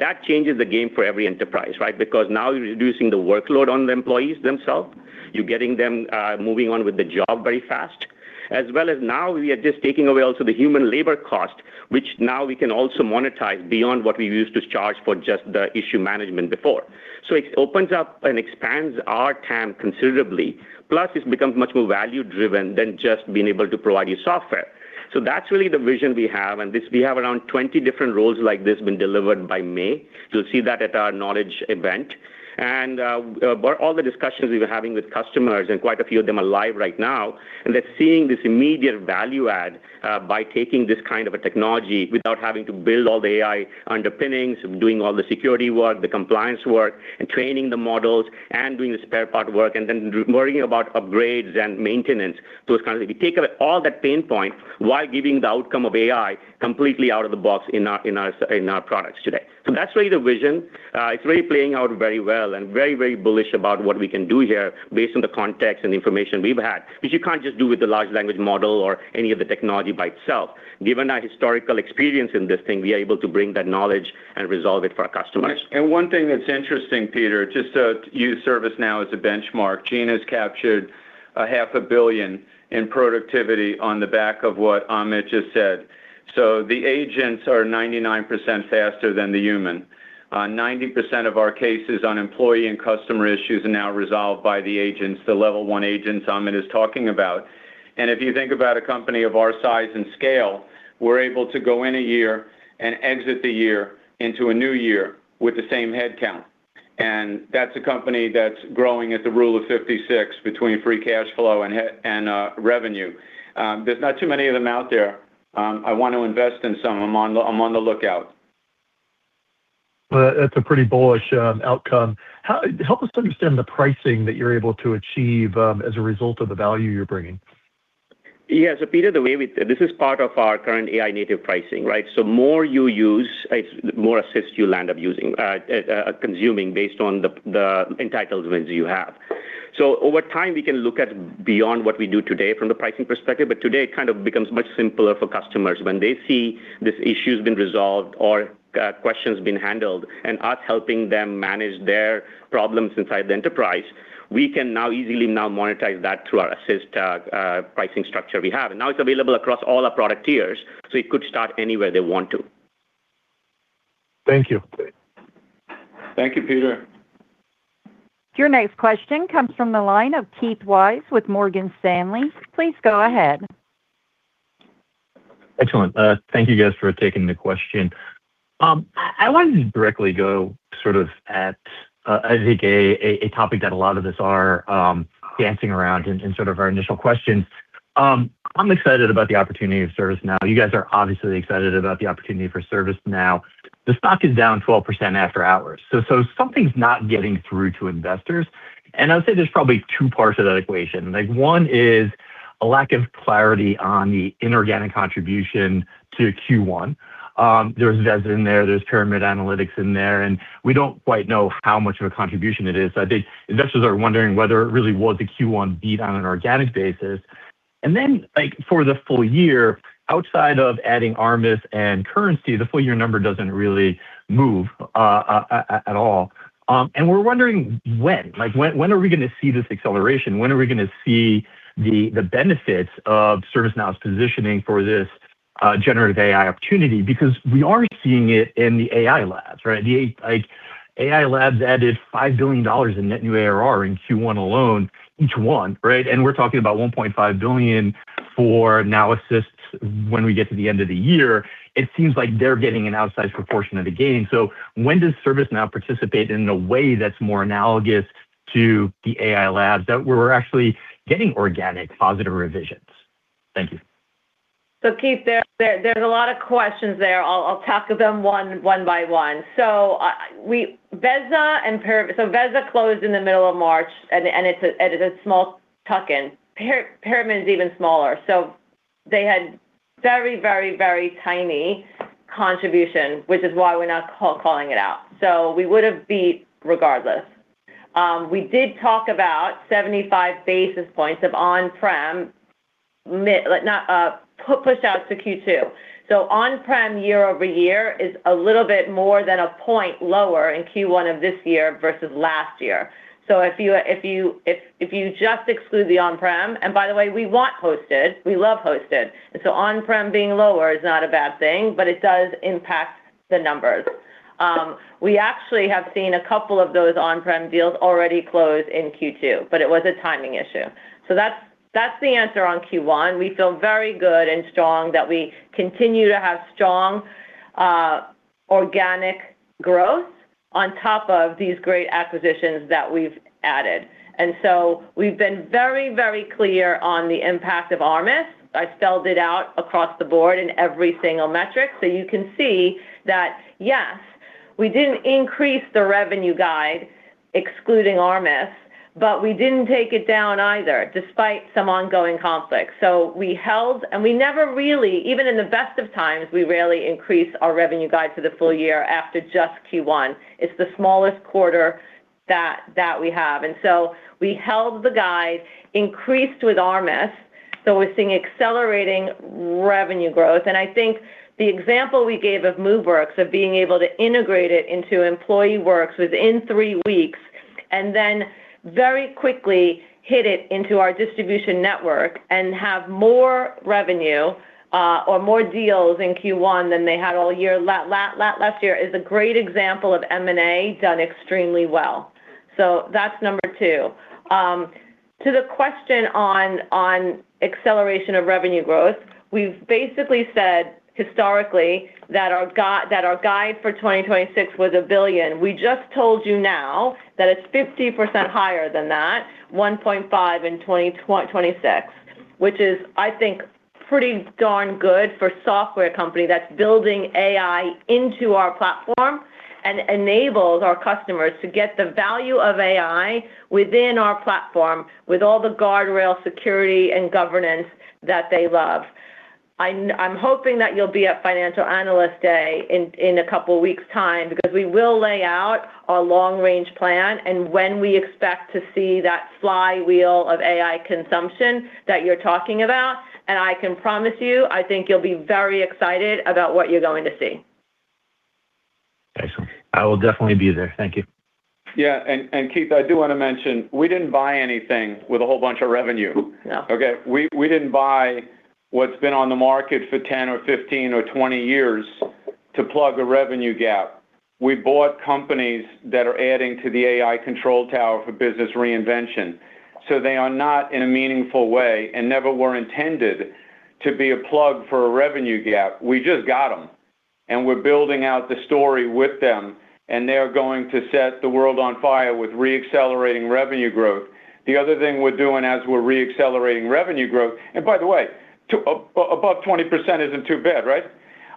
S6: That changes the game for every enterprise, right? Because now you're reducing the workload on the employees themselves. You're getting them moving on with the job very fast. As well as now we are just taking away also the human labor cost, which now we can also monetize beyond what we used to charge for just the issue management before. It opens up and expands our TAM considerably. Plus, it becomes much more value-driven than just being able to provide you software. That's really the vision we have, and we have around 20 different roles like this been delivered by May, you'll see that at our Knowledge event. About all the discussions we've been having with customers and quite a few of them are live right now, and they're seeing this immediate value add by taking this kind of a technology without having to build all the AI underpinnings, doing all the security work, the compliance work, and training the models and doing the spare part work, and then worrying about upgrades and maintenance. It's kind of, if you take all that pain point, while giving the outcome of AI completely out of the box in our products today. That's really the vision. It's really playing out very well and very, very bullish about what we can do here based on the context and information we've had. Because you can't just do with the large language model or any of the technology by itself. Given our historical experience in this thing, we are able to bring that knowledge and resolve it for our customers.
S3: One thing that's interesting, Peter, just to use ServiceNow as a benchmark, Gina's captured a half a billion in productivity on the back of what Amit just said. The agents are 99% faster than the human. 90% of our cases on employee and customer issues are now resolved by the agents, the level one agents Amit is talking about. If you think about a company of our size and scale, we're able to go in a year and exit the year into a new year with the same head count. That's a company that's growing at the rule of 56, between free cash flow and revenue. There's not too many of them out there. I want to invest in some. I'm on the lookout.
S9: That's a pretty bullish outcome. Help us to understand the pricing that you're able to achieve as a result of the value you're bringing?
S6: Yeah. Peter, this is part of our current AI native pricing, right? More you use, more assists you'll end up using, consuming based on the entitlements you have. Over time, we can look at beyond what we do today from the pricing perspective, but today it kind of becomes much simpler for customers. When they see this issue’s been resolved or question’s been handled and us helping them manage their problems inside the enterprise, we can now easily now monetize that through our assist pricing structure we have. Now it's available across all our product tiers, so it could start anywhere they want to.
S9: Thank you.
S3: Thank you, Peter.
S1: Your next question comes from the line of Keith Weiss with Morgan Stanley. Please go ahead.
S10: Excellent. Thank you guys for taking the question. I wanted to directly go sort of at I think a topic that a lot of us are dancing around in sort of our initial questions. I'm excited about the opportunity of ServiceNow. You guys are obviously excited about the opportunity for ServiceNow. The stock is down 12% after hours, so something's not getting through to investors, and I would say there's probably two parts to that equation. One is a lack of clarity on the inorganic contribution to Q1. There's Veza in there's Pyramid Analytics in there, and we don't quite know how much of a contribution it is. I think investors are wondering whether it really was a Q1 beat on an organic basis. For the full year, outside of adding Armis and currency, the full year number doesn't really move at all. We're wondering when. When are we going to see this acceleration? When are we going to see the benefits of ServiceNow's positioning for this generative AI opportunity? Because we aren't seeing it in the AI labs, right? AI labs added $5 billion in net new ARR in Q1 alone, each one, right? We're talking about $1.5 billion for Now Assist when we get to the end of the year. It seems like they're getting an outsized proportion of the gain. When does ServiceNow participate in a way that's more analogous to the AI labs that we're actually getting organic positive revisions? Thank you.
S4: Keith, there's a lot of questions there. I'll tackle them one by one. Veza closed in the middle of March, and it's a small tuck-in. Pyramid is even smaller. They had very tiny contribution, which is why we're not calling it out. We would've beat regardless. We did talk about 75 basis points of on-prem pushed out to Q2. On-prem year-over-year is a little bit more than a point lower in Q1 of this year versus last year. If you just exclude the on-prem, and by the way, we want hosted, we love hosted, and so on-prem being lower is not a bad thing, but it does impact the numbers. We actually have seen a couple of those on-prem deals already close in Q2, but it was a timing issue. That's the answer on Q1. We feel very good and strong that we continue to have strong organic growth on top of these great acquisitions that we've added. We've been very, very clear on the impact of Armis. I spelled it out across the board in every single metric. You can see that, yes, we didn't increase the revenue guide excluding Armis, but we didn't take it down either, despite some ongoing conflicts. We held, and we never really, even in the best of times, we rarely increase our revenue guide for the full year after just Q1. It's the smallest quarter that we have. We held the guide, increased with Armis, so we're seeing accelerating revenue growth. I think the example we gave of Moveworks, of being able to integrate it into EmployeeWorks within three weeks. And then very quickly get it into our distribution network and have more revenue or more deals in Q1 than they had all year, last year is a great example of M&A done extremely well. That's number two. To the question on acceleration of revenue growth, we've basically said historically that our guide for 2026 was $1 billion. We just told you now that it's 50% higher than that, $1.5 billion in 2026, which is, I think, pretty darn good for a software company that's building AI into our platform and enables our customers to get the value of AI within our platform with all the guardrail security and governance that they love. I'm hoping that you'll be at Financial Analyst Day in a couple of weeks' time because we will lay out our long-range plan and when we expect to see that flywheel of AI consumption that you're talking about. I can promise you, I think you'll be very excited about what you're going to see.
S10: Excellent. I will definitely be there. Thank you.
S3: Yeah. Keith, I do want to mention, we didn't buy anything with a whole bunch of revenue.
S10: Yeah.
S3: Okay. We didn't buy what's been on the market for 10 or 15 or 20 years to plug a revenue gap. We bought companies that are adding to the AI Control Tower for business reinvention. They are not in a meaningful way and never were intended to be a plug for a revenue gap. We just got them. We're building out the story with them, and they're going to set the world on fire with re-accelerating revenue growth. The other thing we're doing as we're re-accelerating revenue growth, and by the way, above 20% isn't too bad, right?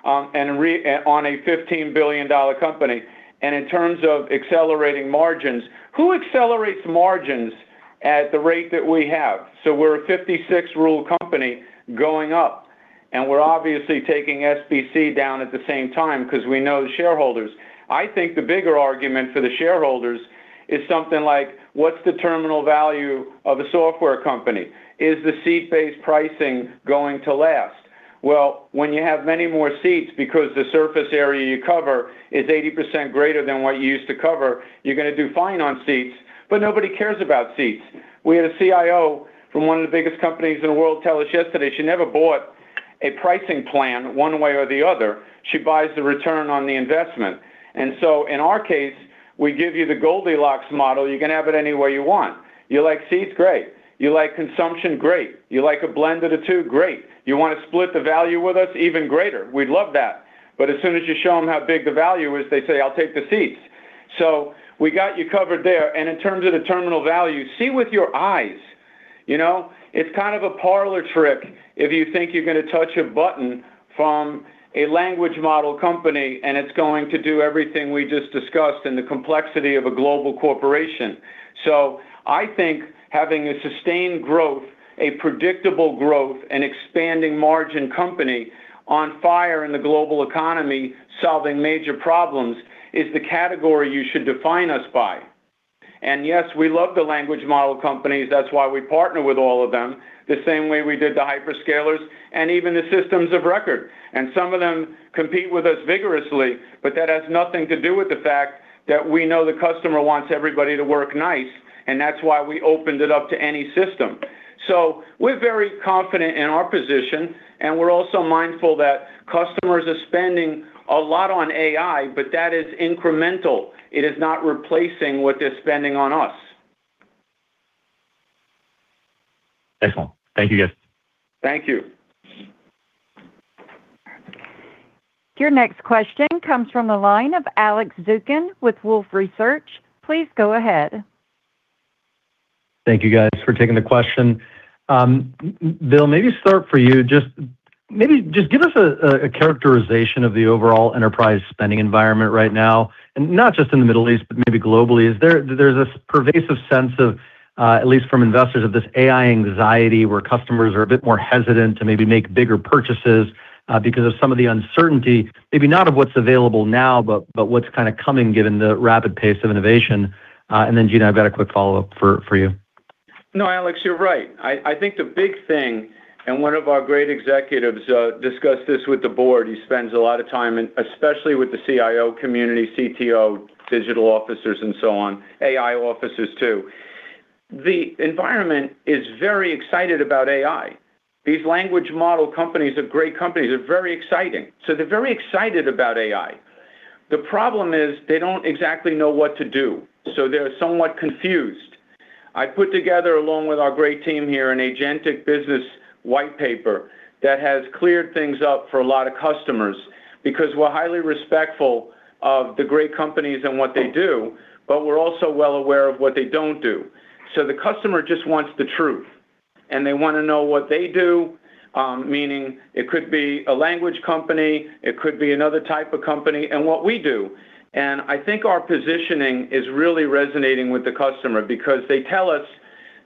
S3: On a $15 billion company. In terms of accelerating margins, who accelerates margins at the rate that we have? We're a 56 rule company going up, and we're obviously taking SBC down at the same time because we know the shareholders. I think the bigger argument for the shareholders is something like what's the terminal value of a software company? Is the seat-based pricing going to last? Well, when you have many more seats because the surface area you cover is 80% greater than what you used to cover, you're going to do fine on seats, but nobody cares about seats. We had a CIO from one of the biggest companies in the world tell us yesterday she never bought a pricing plan one way or the other. She buys the return on the investment. In our case, we give you the Goldilocks model. You can have it any way you want. You like seats? Great. You like consumption? Great. You like a blend of the two? Great. You want to split the value with us? Even greater. We'd love that. As soon as you show them how big the value is, they say, "I'll take the seats." We got you covered there. In terms of the terminal value, see with your eyes. It's kind of a parlor trick if you think you're going to touch a button from a language model company, and it's going to do everything we just discussed in the complexity of a global corporation. I think having a sustained growth, a predictable growth, an expanding margin company on fire in the global economy, solving major problems is the category you should define us by. Yes, we love the language model companies. That's why we partner with all of them, the same way we did the hyperscalers and even the systems of record. Some of them compete with us vigorously, but that has nothing to do with the fact that we know the customer wants everybody to work nice, and that's why we opened it up to any system. We're very confident in our position, and we're also mindful that customers are spending a lot on AI, but that is incremental. It is not replacing what they're spending on us.
S10: Excellent. Thank you, guys.
S3: Thank you.
S1: Your next question comes from the line of Alex Zukin with Wolfe Research. Please go ahead.
S11: Thank you guys for taking the question. Bill, maybe start for you. Just maybe give us a characterization of the overall enterprise spending environment right now, and not just in the Middle East, but maybe globally. There's this pervasive sense of, at least from investors, of this AI anxiety where customers are a bit more hesitant to maybe make bigger purchases because of some of the uncertainty, maybe not of what's available now, but what's kind of coming given the rapid pace of innovation. Gina, I've got a quick follow-up for you.
S3: No, Alex, you're right. I think the big thing, and one of our great executives discussed this with the board. He spends a lot of time, and especially with the CIO community, CTO, digital officers, and so on, AI officers, too. The environment is very excited about AI. These language model companies are great companies. They're very exciting. They're very excited about AI. The problem is they don't exactly know what to do. They're somewhat confused. I put together, along with our great team here, an agentic business white paper that has cleared things up for a lot of customers because we're highly respectful of the great companies and what they do, but we're also well aware of what they don't do. The customer just wants the truth, and they want to know what they do, meaning it could be a language company, it could be another type of company, and what we do. I think our positioning is really resonating with the customer because they tell us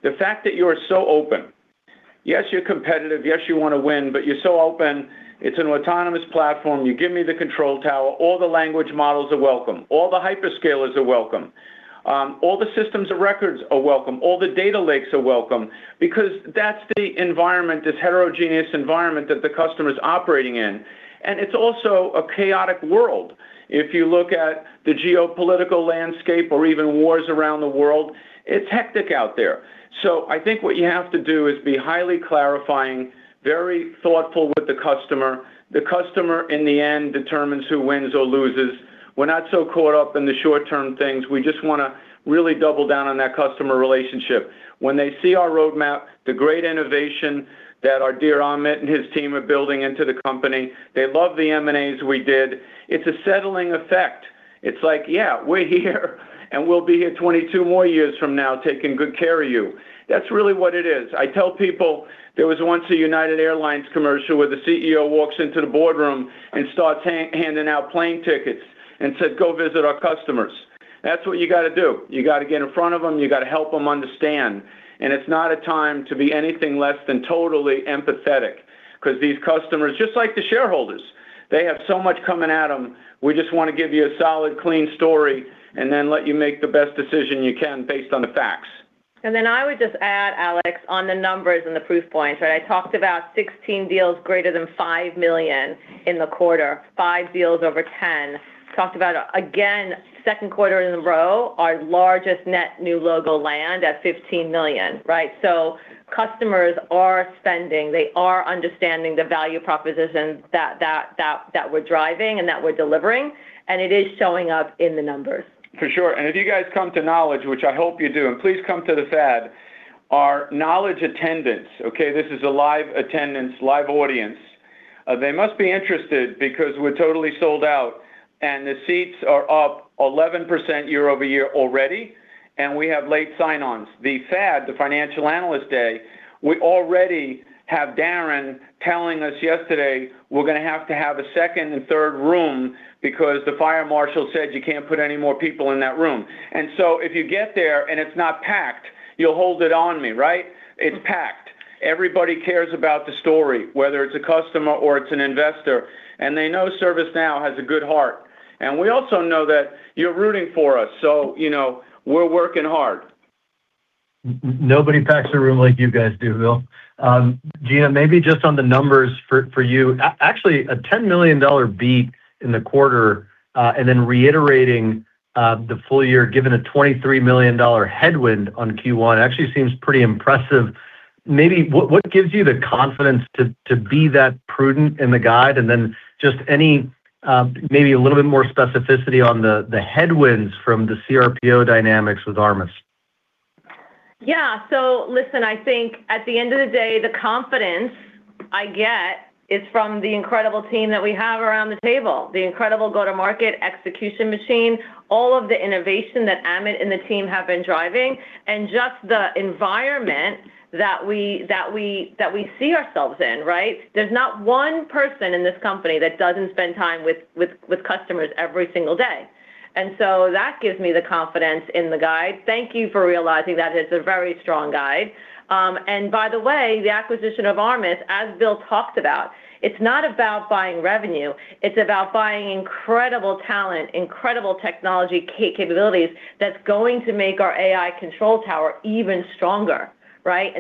S3: the fact that you are so open. Yes, you're competitive. Yes, you want to win, but you're so open. It's an autonomous platform. You give me the control tower. All the language models are welcome. All the hyperscalers are welcome. All the systems of records are welcome. All the data lakes are welcome because that's the environment, this heterogeneous environment that the customer's operating in. It's also a chaotic world. If you look at the geopolitical landscape or even wars around the world, it's hectic out there. I think what you have to do is be highly clarifying, very thoughtful with the customer. The customer, in the end, determines who wins or loses. We're not so caught up in the short-term things. We just want to really double down on that customer relationship. When they see our roadmap, the great innovation that our dear Amit and his team are building into the company, they love the M&As we did. It's a settling effect. It's like, yeah, we're here, and we'll be here 22 more years from now, taking good care of you. That's really what it is. I tell people there was once a United Airlines commercial where the CEO walks into the boardroom and starts handing out plane tickets and said, "Go visit our customers." That's what you got to do. You got to get in front of them, you got to help them understand. It's not a time to be anything less than totally empathetic. Because these customers, just like the shareholders, they have so much coming at them. We just want to give you a solid, clean story and then let you make the best decision you can based on the facts.
S4: I would just add, Alex, on the numbers and the proof points, right? I talked about 16 deals greater than $5 million in the quarter, five deals over $10 million. Talked about, again, second quarter in a row, our largest net new logo land at $15 million. Right? Customers are spending, they are understanding the value propositions that we're driving and that we're delivering, and it is showing up in the numbers.
S3: For sure. If you guys come to Knowledge, which I hope you do, and please come to the FAD, our Knowledge attendance, okay, this is a live attendance, live audience, they must be interested because we're totally sold out, and the seats are up 11% year-over-year already, and we have late sign-ons. The FAD, the Financial Analyst Day, we already have Darren telling us yesterday we're going to have to have a second and third room because the fire marshal said you can't put any more people in that room. If you get there and it's not packed, you'll hold it against me, right? It's packed. Everybody cares about the story, whether it's a customer or it's an investor, and they know ServiceNow has a good heart. We also know that you're rooting for us, so we're working hard.
S11: Nobody packs a room like you guys do, Bill. Gina, maybe just on the numbers for you, actually, a $10 million beat in the quarter, and then reiterating, the full year, given a $23 million headwind on Q1, actually seems pretty impressive. Maybe what gives you the confidence to be that prudent in the guide? Just maybe a little bit more specificity on the headwinds from the CRPO dynamics with Armis.
S4: Yeah. Listen, I think at the end of the day, the confidence I get is from the incredible team that we have around the table, the incredible go-to-market execution machine, all of the innovation that Amit and the team have been driving, and just the environment that we see ourselves in, right? There's not one person in this company that doesn't spend time with customers every single day. That gives me the confidence in the guide. Thank you for realizing that it's a very strong guide. By the way, the acquisition of Armis, as Bill talked about, it's not about buying revenue, it's about buying incredible talent, incredible technology capabilities, that's going to make our AI Control Tower even stronger, right?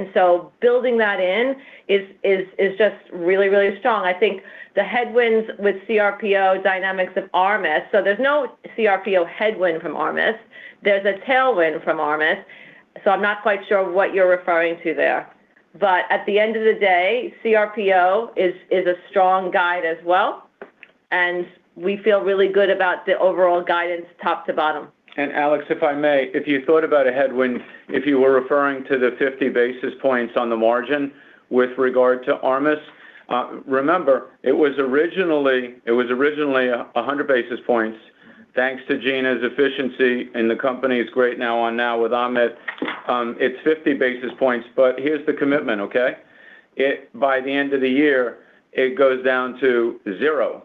S4: Building that in is just really, really strong. I think the headwinds with CRPO dynamics of Armis, so there's no CRPO headwind from Armis. There's a tailwind from Armis, so I'm not quite sure what you're referring to there. At the end of the day, CRPO is a strong guide as well, and we feel really good about the overall guidance, top to bottom.
S3: Alex, if I may, if you thought about a headwind, if you were referring to the 50 basis points on the margin with regard to Armis, remember, it was originally 100 basis points. Thanks to Gina's efficiency, and the company's great Now on Now with Amit, it's 50 basis points. But here's the commitment, okay? By the end of the year, it goes down to zero.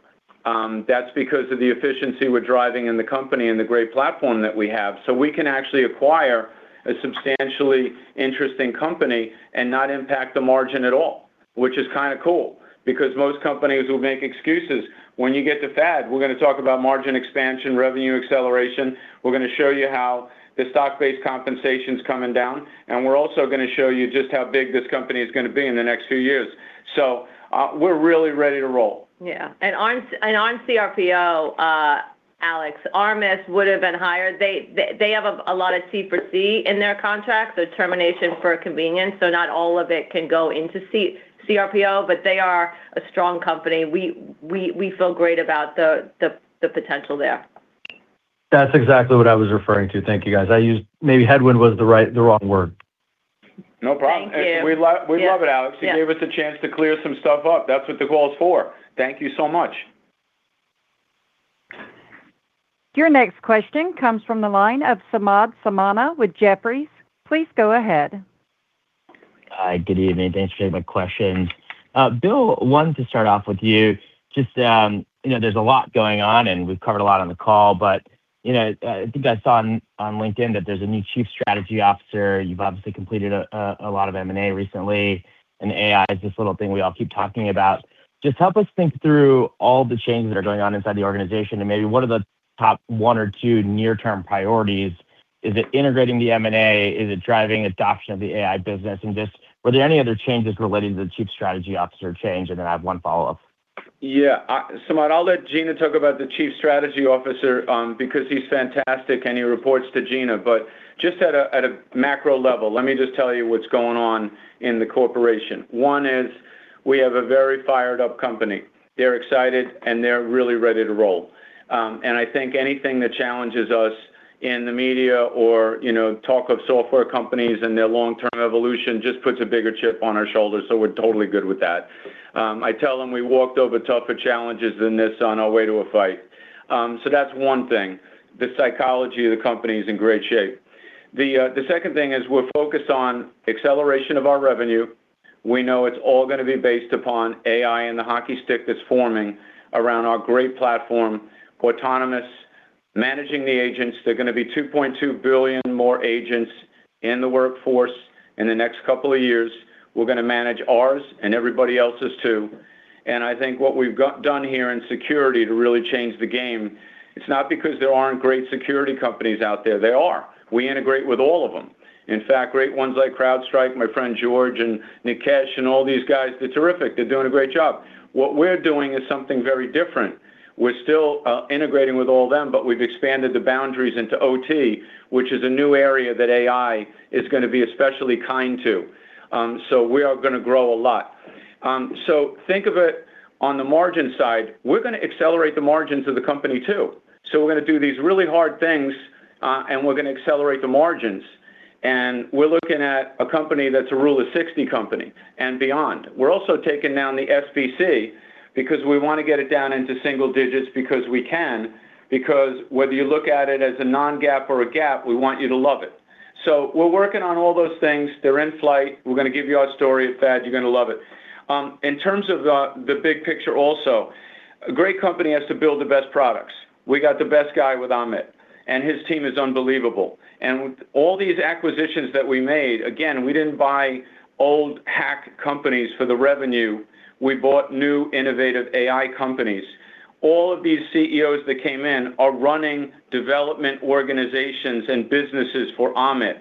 S3: That's because of the efficiency we're driving in the company and the great platform that we have. So we can actually acquire a substantially interesting company and not impact the margin at all, which is kind of cool. Because most companies will make excuses. When you get to FAD, we're going to talk about margin expansion, revenue acceleration. We're going to show you how the stock-based compensation's coming down, and we're also going to show you just how big this company is going to be in the next few years. We're really ready to roll.
S4: Yeah. On CRPO, Alex, Armis would've been hired. They have a lot of T for C in their contract, so termination for convenience, so not all of it can go into CRPO, but they are a strong company. We feel great about the potential there.
S11: That's exactly what I was referring to. Thank you, guys. Maybe headwind was the wrong word.
S3: No problem.
S4: Thank you.
S3: We love it, Alex.
S4: Yeah.
S3: You gave us a chance to clear some stuff up. That's what the call is for. Thank you so much.
S1: Your next question comes from the line of Samad Samana with Jefferies. Please go ahead.
S12: Hi, good evening. Thanks for taking my question. Bill, wanted to start off with you. Just there's a lot going on, and we've covered a lot on the call, but I think I saw on LinkedIn that there's a new Chief Strategy Officer. You've obviously completed a lot of M&A recently, and AI is this little thing we all keep talking about. Just help us think through all the changes that are going on inside the organization, and maybe what are the top one or two near-term priorities. Is it integrating the M&A? Is it driving adoption of the AI business? Just were there any other changes relating to the Chief Strategy Officer change? Then I have one follow-up.
S3: Yeah. Samad, I'll let Gina talk about the Chief Strategy Officer because he's fantastic and he reports to Gina. Just at a macro level, let me just tell you what's going on in the corporation. One is we have a very fired-up company. They're excited, and they're really ready to roll. I think anything that challenges us in the media or talk of software companies and their long-term evolution just puts a bigger chip on our shoulder. We're totally good with that. I tell them we walked over tougher challenges than this on our way to a fight. That's one thing. The psychology of the company is in great shape. The second thing is we're focused on acceleration of our revenue. We know it's all going to be based upon AI and the hockey stick that's forming around our great platform, Autonomous, managing the agents. There are going to be 2.2 billion more agents in the workforce in the next couple of years. We're going to manage ours and everybody else's too. I think what we've done here in security to really change the game, it's not because there aren't great security companies out there. There are. We integrate with all of them. In fact, great ones like CrowdStrike, my friend George and Nikesh and all these guys, they're terrific. They're doing a great job. What we're doing is something very different. We're still integrating with all of them, but we've expanded the boundaries into OT, which is a new area that AI is going to be especially kind to. We are going to grow a lot. Think of it on the margin side. We're going to accelerate the margins of the company too. We're going to do these really hard things, and we're going to accelerate the margins, and we're looking at a company that's a rule of 60 company and beyond. We're also taking down the SBC because we want to get it down into single digits because we can. Because whether you look at it as a non-GAAP or a GAAP, we want you to love it. We're working on all those things. They're in flight. We're going to give you our story at FAD. You're going to love it. In terms of the big picture also, a great company has to build the best products. We got the best guy with Amit, and his team is unbelievable. All these acquisitions that we made, again, we didn't buy old hack companies for the revenue. We bought new, innovative AI companies. All of these CEOs that came in are running development organizations and businesses for Amit.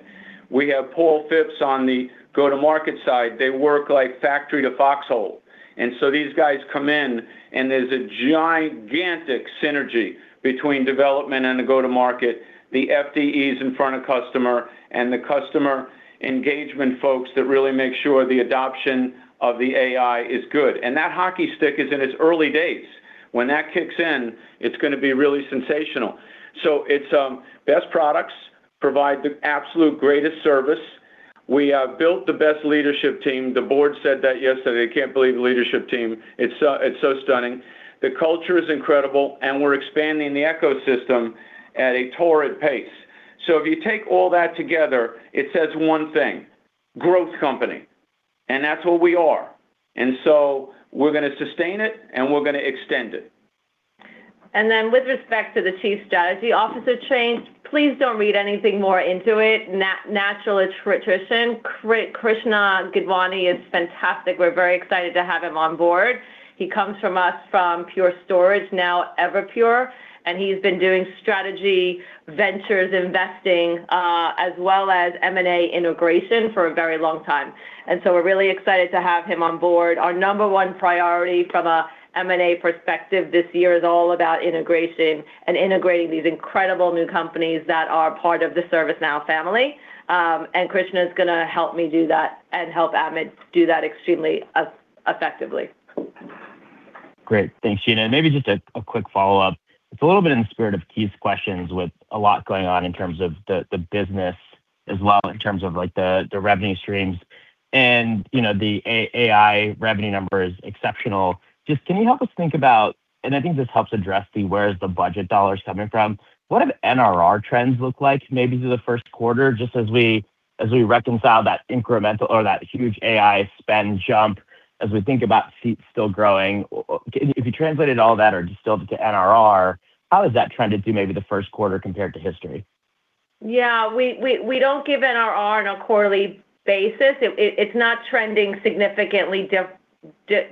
S3: We have Paul Fipps on the go-to-market side. They work like factory to foxhole. These guys come in, and there's a gigantic synergy between development and the go-to-market, the FDEs in front of customer, and the customer engagement folks that really make sure the adoption of the AI is good. That hockey stick is in its early days. When that kicks in, it's going to be really sensational. It's best products provide the absolute greatest service. We have built the best leadership team. The Board said that yesterday. They can't believe the leadership team. It's so stunning. The culture is incredible, and we're expanding the ecosystem at a torrid pace. If you take all that together, it says one thing, growth company, and that's what we are, and so we're going to sustain it and we're going to extend it.
S4: With respect to the Chief Strategy Officer change, please don't read anything more into it. Natural attrition. Krishna Gidwani is fantastic. We're very excited to have him on board. He comes to us from Pure Storage, now Everpure, and he's been doing strategy ventures investing, as well as M&A integration for a very long time. We're really excited to have him on board. Our number one priority from a M&A perspective this year is all about integration and integrating these incredible new companies that are part of the ServiceNow family, and Krishna is going to help me do that and help Amit do that extremely effectively.
S12: Great. Thanks, Gina. Maybe just a quick follow-up. It's a little bit in the spirit of Keith's questions with a lot going on in terms of the business as well, in terms of the revenue streams. The AI revenue number is exceptional. Just can you help us think about, and I think this helps address the where is the budget dollar coming from, what do NRR trends look like maybe through the first quarter, just as we reconcile that incremental or that huge AI spend jump as we think about seats still growing? If you translated all that or distilled it to NRR, how is that trending through maybe the first quarter compared to history?
S4: Yeah. We don't give NRR on a quarterly basis. It's not trending significantly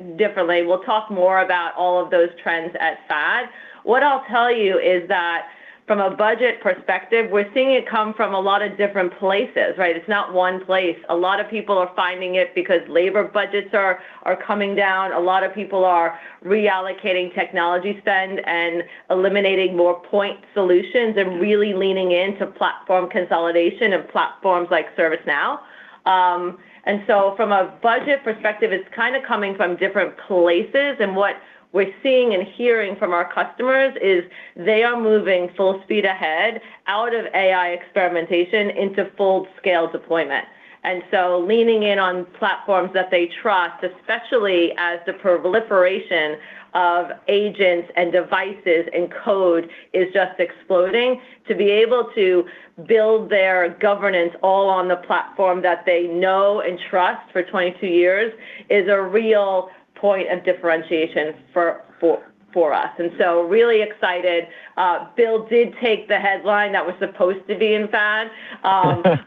S4: differently. We'll talk more about all of those trends at FAD. What I'll tell you is that from a budget perspective, we're seeing it come from a lot of different places, right? It's not one place. A lot of people are finding it because labor budgets are coming down. A lot of people are reallocating technology spend and eliminating more point solutions and really leaning into platform consolidation of platforms like ServiceNow. From a budget perspective, it's coming from different places, and what we're seeing and hearing from our customers is they are moving full speed ahead out of AI experimentation into full-scale deployment. Leaning in on platforms that they trust, especially as the proliferation of agents and devices and code is just exploding, to be able to build their governance all on the platform that they know and trust for 22 years is a real point of differentiation for us. Really excited. Bill did take the headline that was supposed to be in FAD,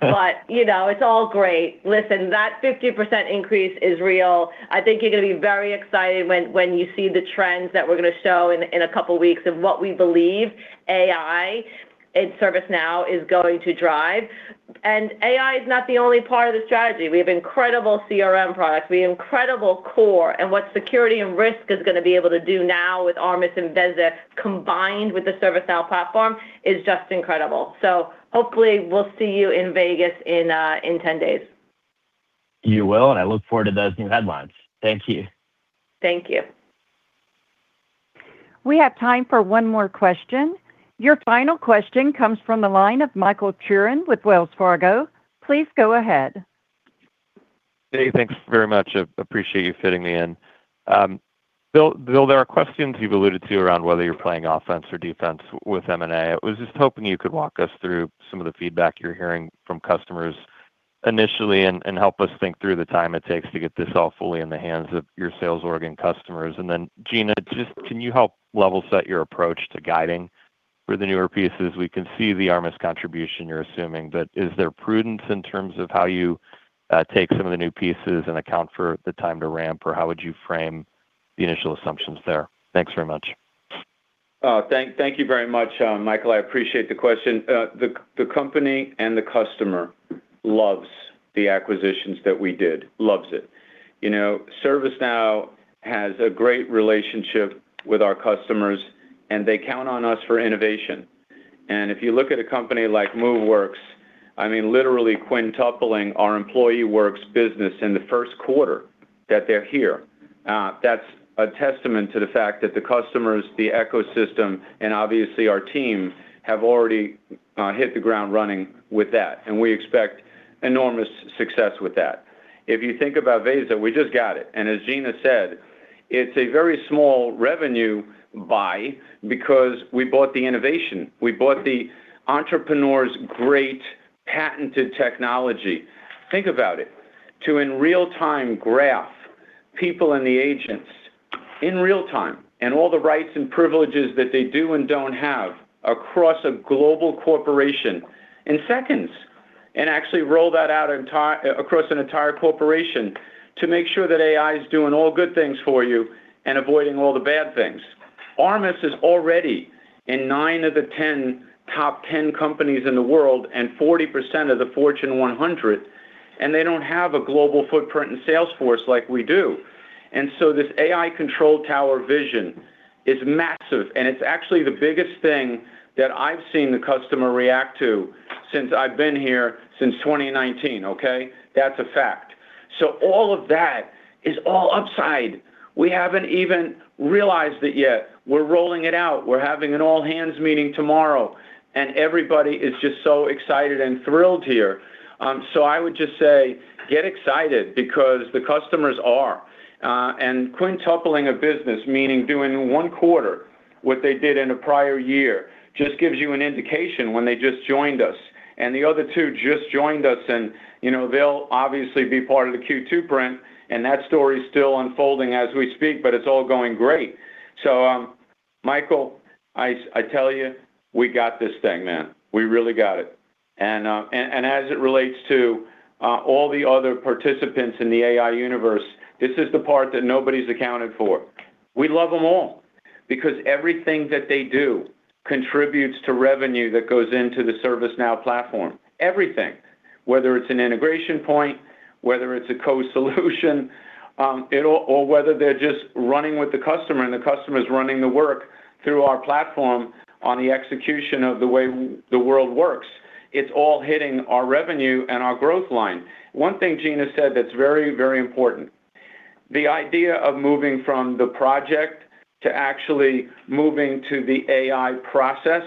S4: but it's all great. Listen, that 50% increase is real. I think you're going to be very excited when you see the trends that we're going to show in a couple of weeks of what we believe AI and ServiceNow is going to drive. AI is not the only part of the strategy. We have incredible CRM products. We have incredible core, and what security and risk is going to be able to do now with Armis and Veza combined with the ServiceNow platform is just incredible. Hopefully we'll see you in Vegas in 10 days.
S12: You will, and I look forward to those new headlines. Thank you.
S4: Thank you.
S1: We have time for one more question. Your final question comes from the line of Michael Turrin with Wells Fargo. Please go ahead.
S13: Hey, thanks very much. I appreciate you fitting me in. Bill, there are questions you've alluded to around whether you're playing offense or defense with M&A. I was just hoping you could walk us through some of the feedback you're hearing from customers initially and help us think through the time it takes to get this all fully in the hands of your sales org and customers. Gina, can you help level set your approach to guiding for the newer pieces? We can see the Armis contribution you're assuming, but is there prudence in terms of how you take some of the new pieces and account for the time to ramp, or how would you frame the initial assumptions there? Thanks very much.
S3: Thank you very much, Michael. I appreciate the question. The company and the customer loves the acquisitions that we did. Loves it. ServiceNow has a great relationship with our customers, and they count on us for innovation. If you look at a company like Moveworks, literally quintupling our EmployeeWorks business in the first quarter that they're here. That's a testament to the fact that the customers, the ecosystem, and obviously our team have already hit the ground running with that, and we expect enormous success with that. If you think about Veza, we just got it. As Gina said, it's a very small revenue buy because we bought the innovation. We bought the entrepreneur's great patented technology. Think about it. To, in real time, graph people and the agents in real time, and all the rights and privileges that they do and don't have across a global corporation in seconds, and actually roll that out across an entire corporation to make sure that AI is doing all good things for you and avoiding all the bad things. Armis is already in nine of the top 10 companies in the world and 40% of the Fortune 100, and they don't have a global footprint in Salesforce like we do. This AI Control Tower vision is massive, and it's actually the biggest thing that I've seen the customer react to since I've been here since 2019. Okay. That's a fact. All of that is all upside. We haven't even realized it yet. We're rolling it out. We're having an all hands meeting tomorrow, and everybody is just so excited and thrilled here. I would just say get excited because the customers are. Quintupling a business, meaning doing in one quarter what they did in a prior year, just gives you an indication when they just joined us. The other two just joined us, and they'll obviously be part of the Q2 print, and that story is still unfolding as we speak, but it's all going great. Michael, I tell you, we got this thing, man. We really got it. As it relates to all the other participants in the AI universe, this is the part that nobody's accounted for. We love them all because everything that they do contributes to revenue that goes into the ServiceNow platform. Everything. Whether it's an integration point, whether it's a co-solution, or whether they're just running with the customer and the customer's running the work through our platform on the execution of the way the world works. It's all hitting our revenue and our growth line. One thing Gina said that's very important. The idea of moving from the project to actually moving to the AI process.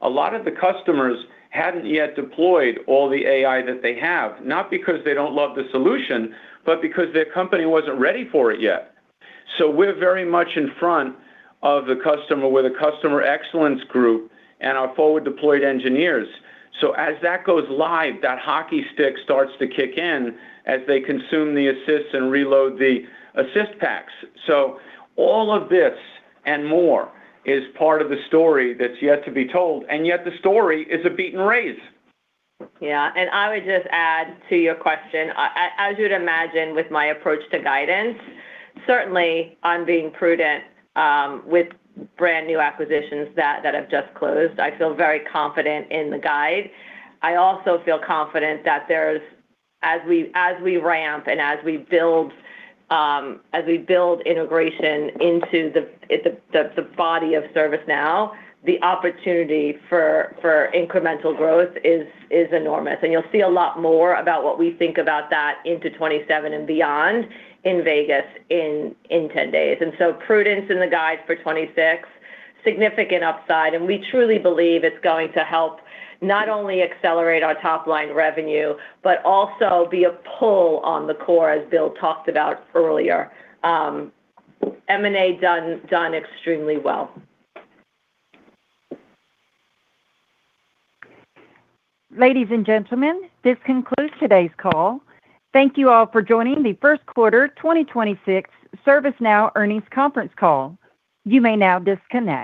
S3: A lot of the customers hadn't yet deployed all the AI that they have, not because they don't love the solution, but because their company wasn't ready for it yet. We're very much in front of the customer with a customer excellence group and our forward deployed engineers. As that goes live, that hockey stick starts to kick in as they consume the assists and reload the assist packs. All of this and more is part of the story that's yet to be told, and yet the story is a beaten race.
S4: Yeah. I would just add to your question, as you'd imagine with my approach to guidance, certainly I'm being prudent with brand new acquisitions that have just closed. I feel very confident in the guide. I also feel confident that as we ramp and as we build integration into the body of ServiceNow, the opportunity for incremental growth is enormous. You'll see a lot more about what we think about that into 2027 and beyond in Vegas in 10 days. Prudence in the guide for 2026, significant upside. We truly believe it's going to help not only accelerate our top-line revenue, but also be a pull on the core, as Bill talked about earlier. M&A done extremely well.
S1: Ladies and gentlemen, this concludes today's call. Thank you all for joining the first quarter 2026 ServiceNow earnings conference call. You may now disconnect.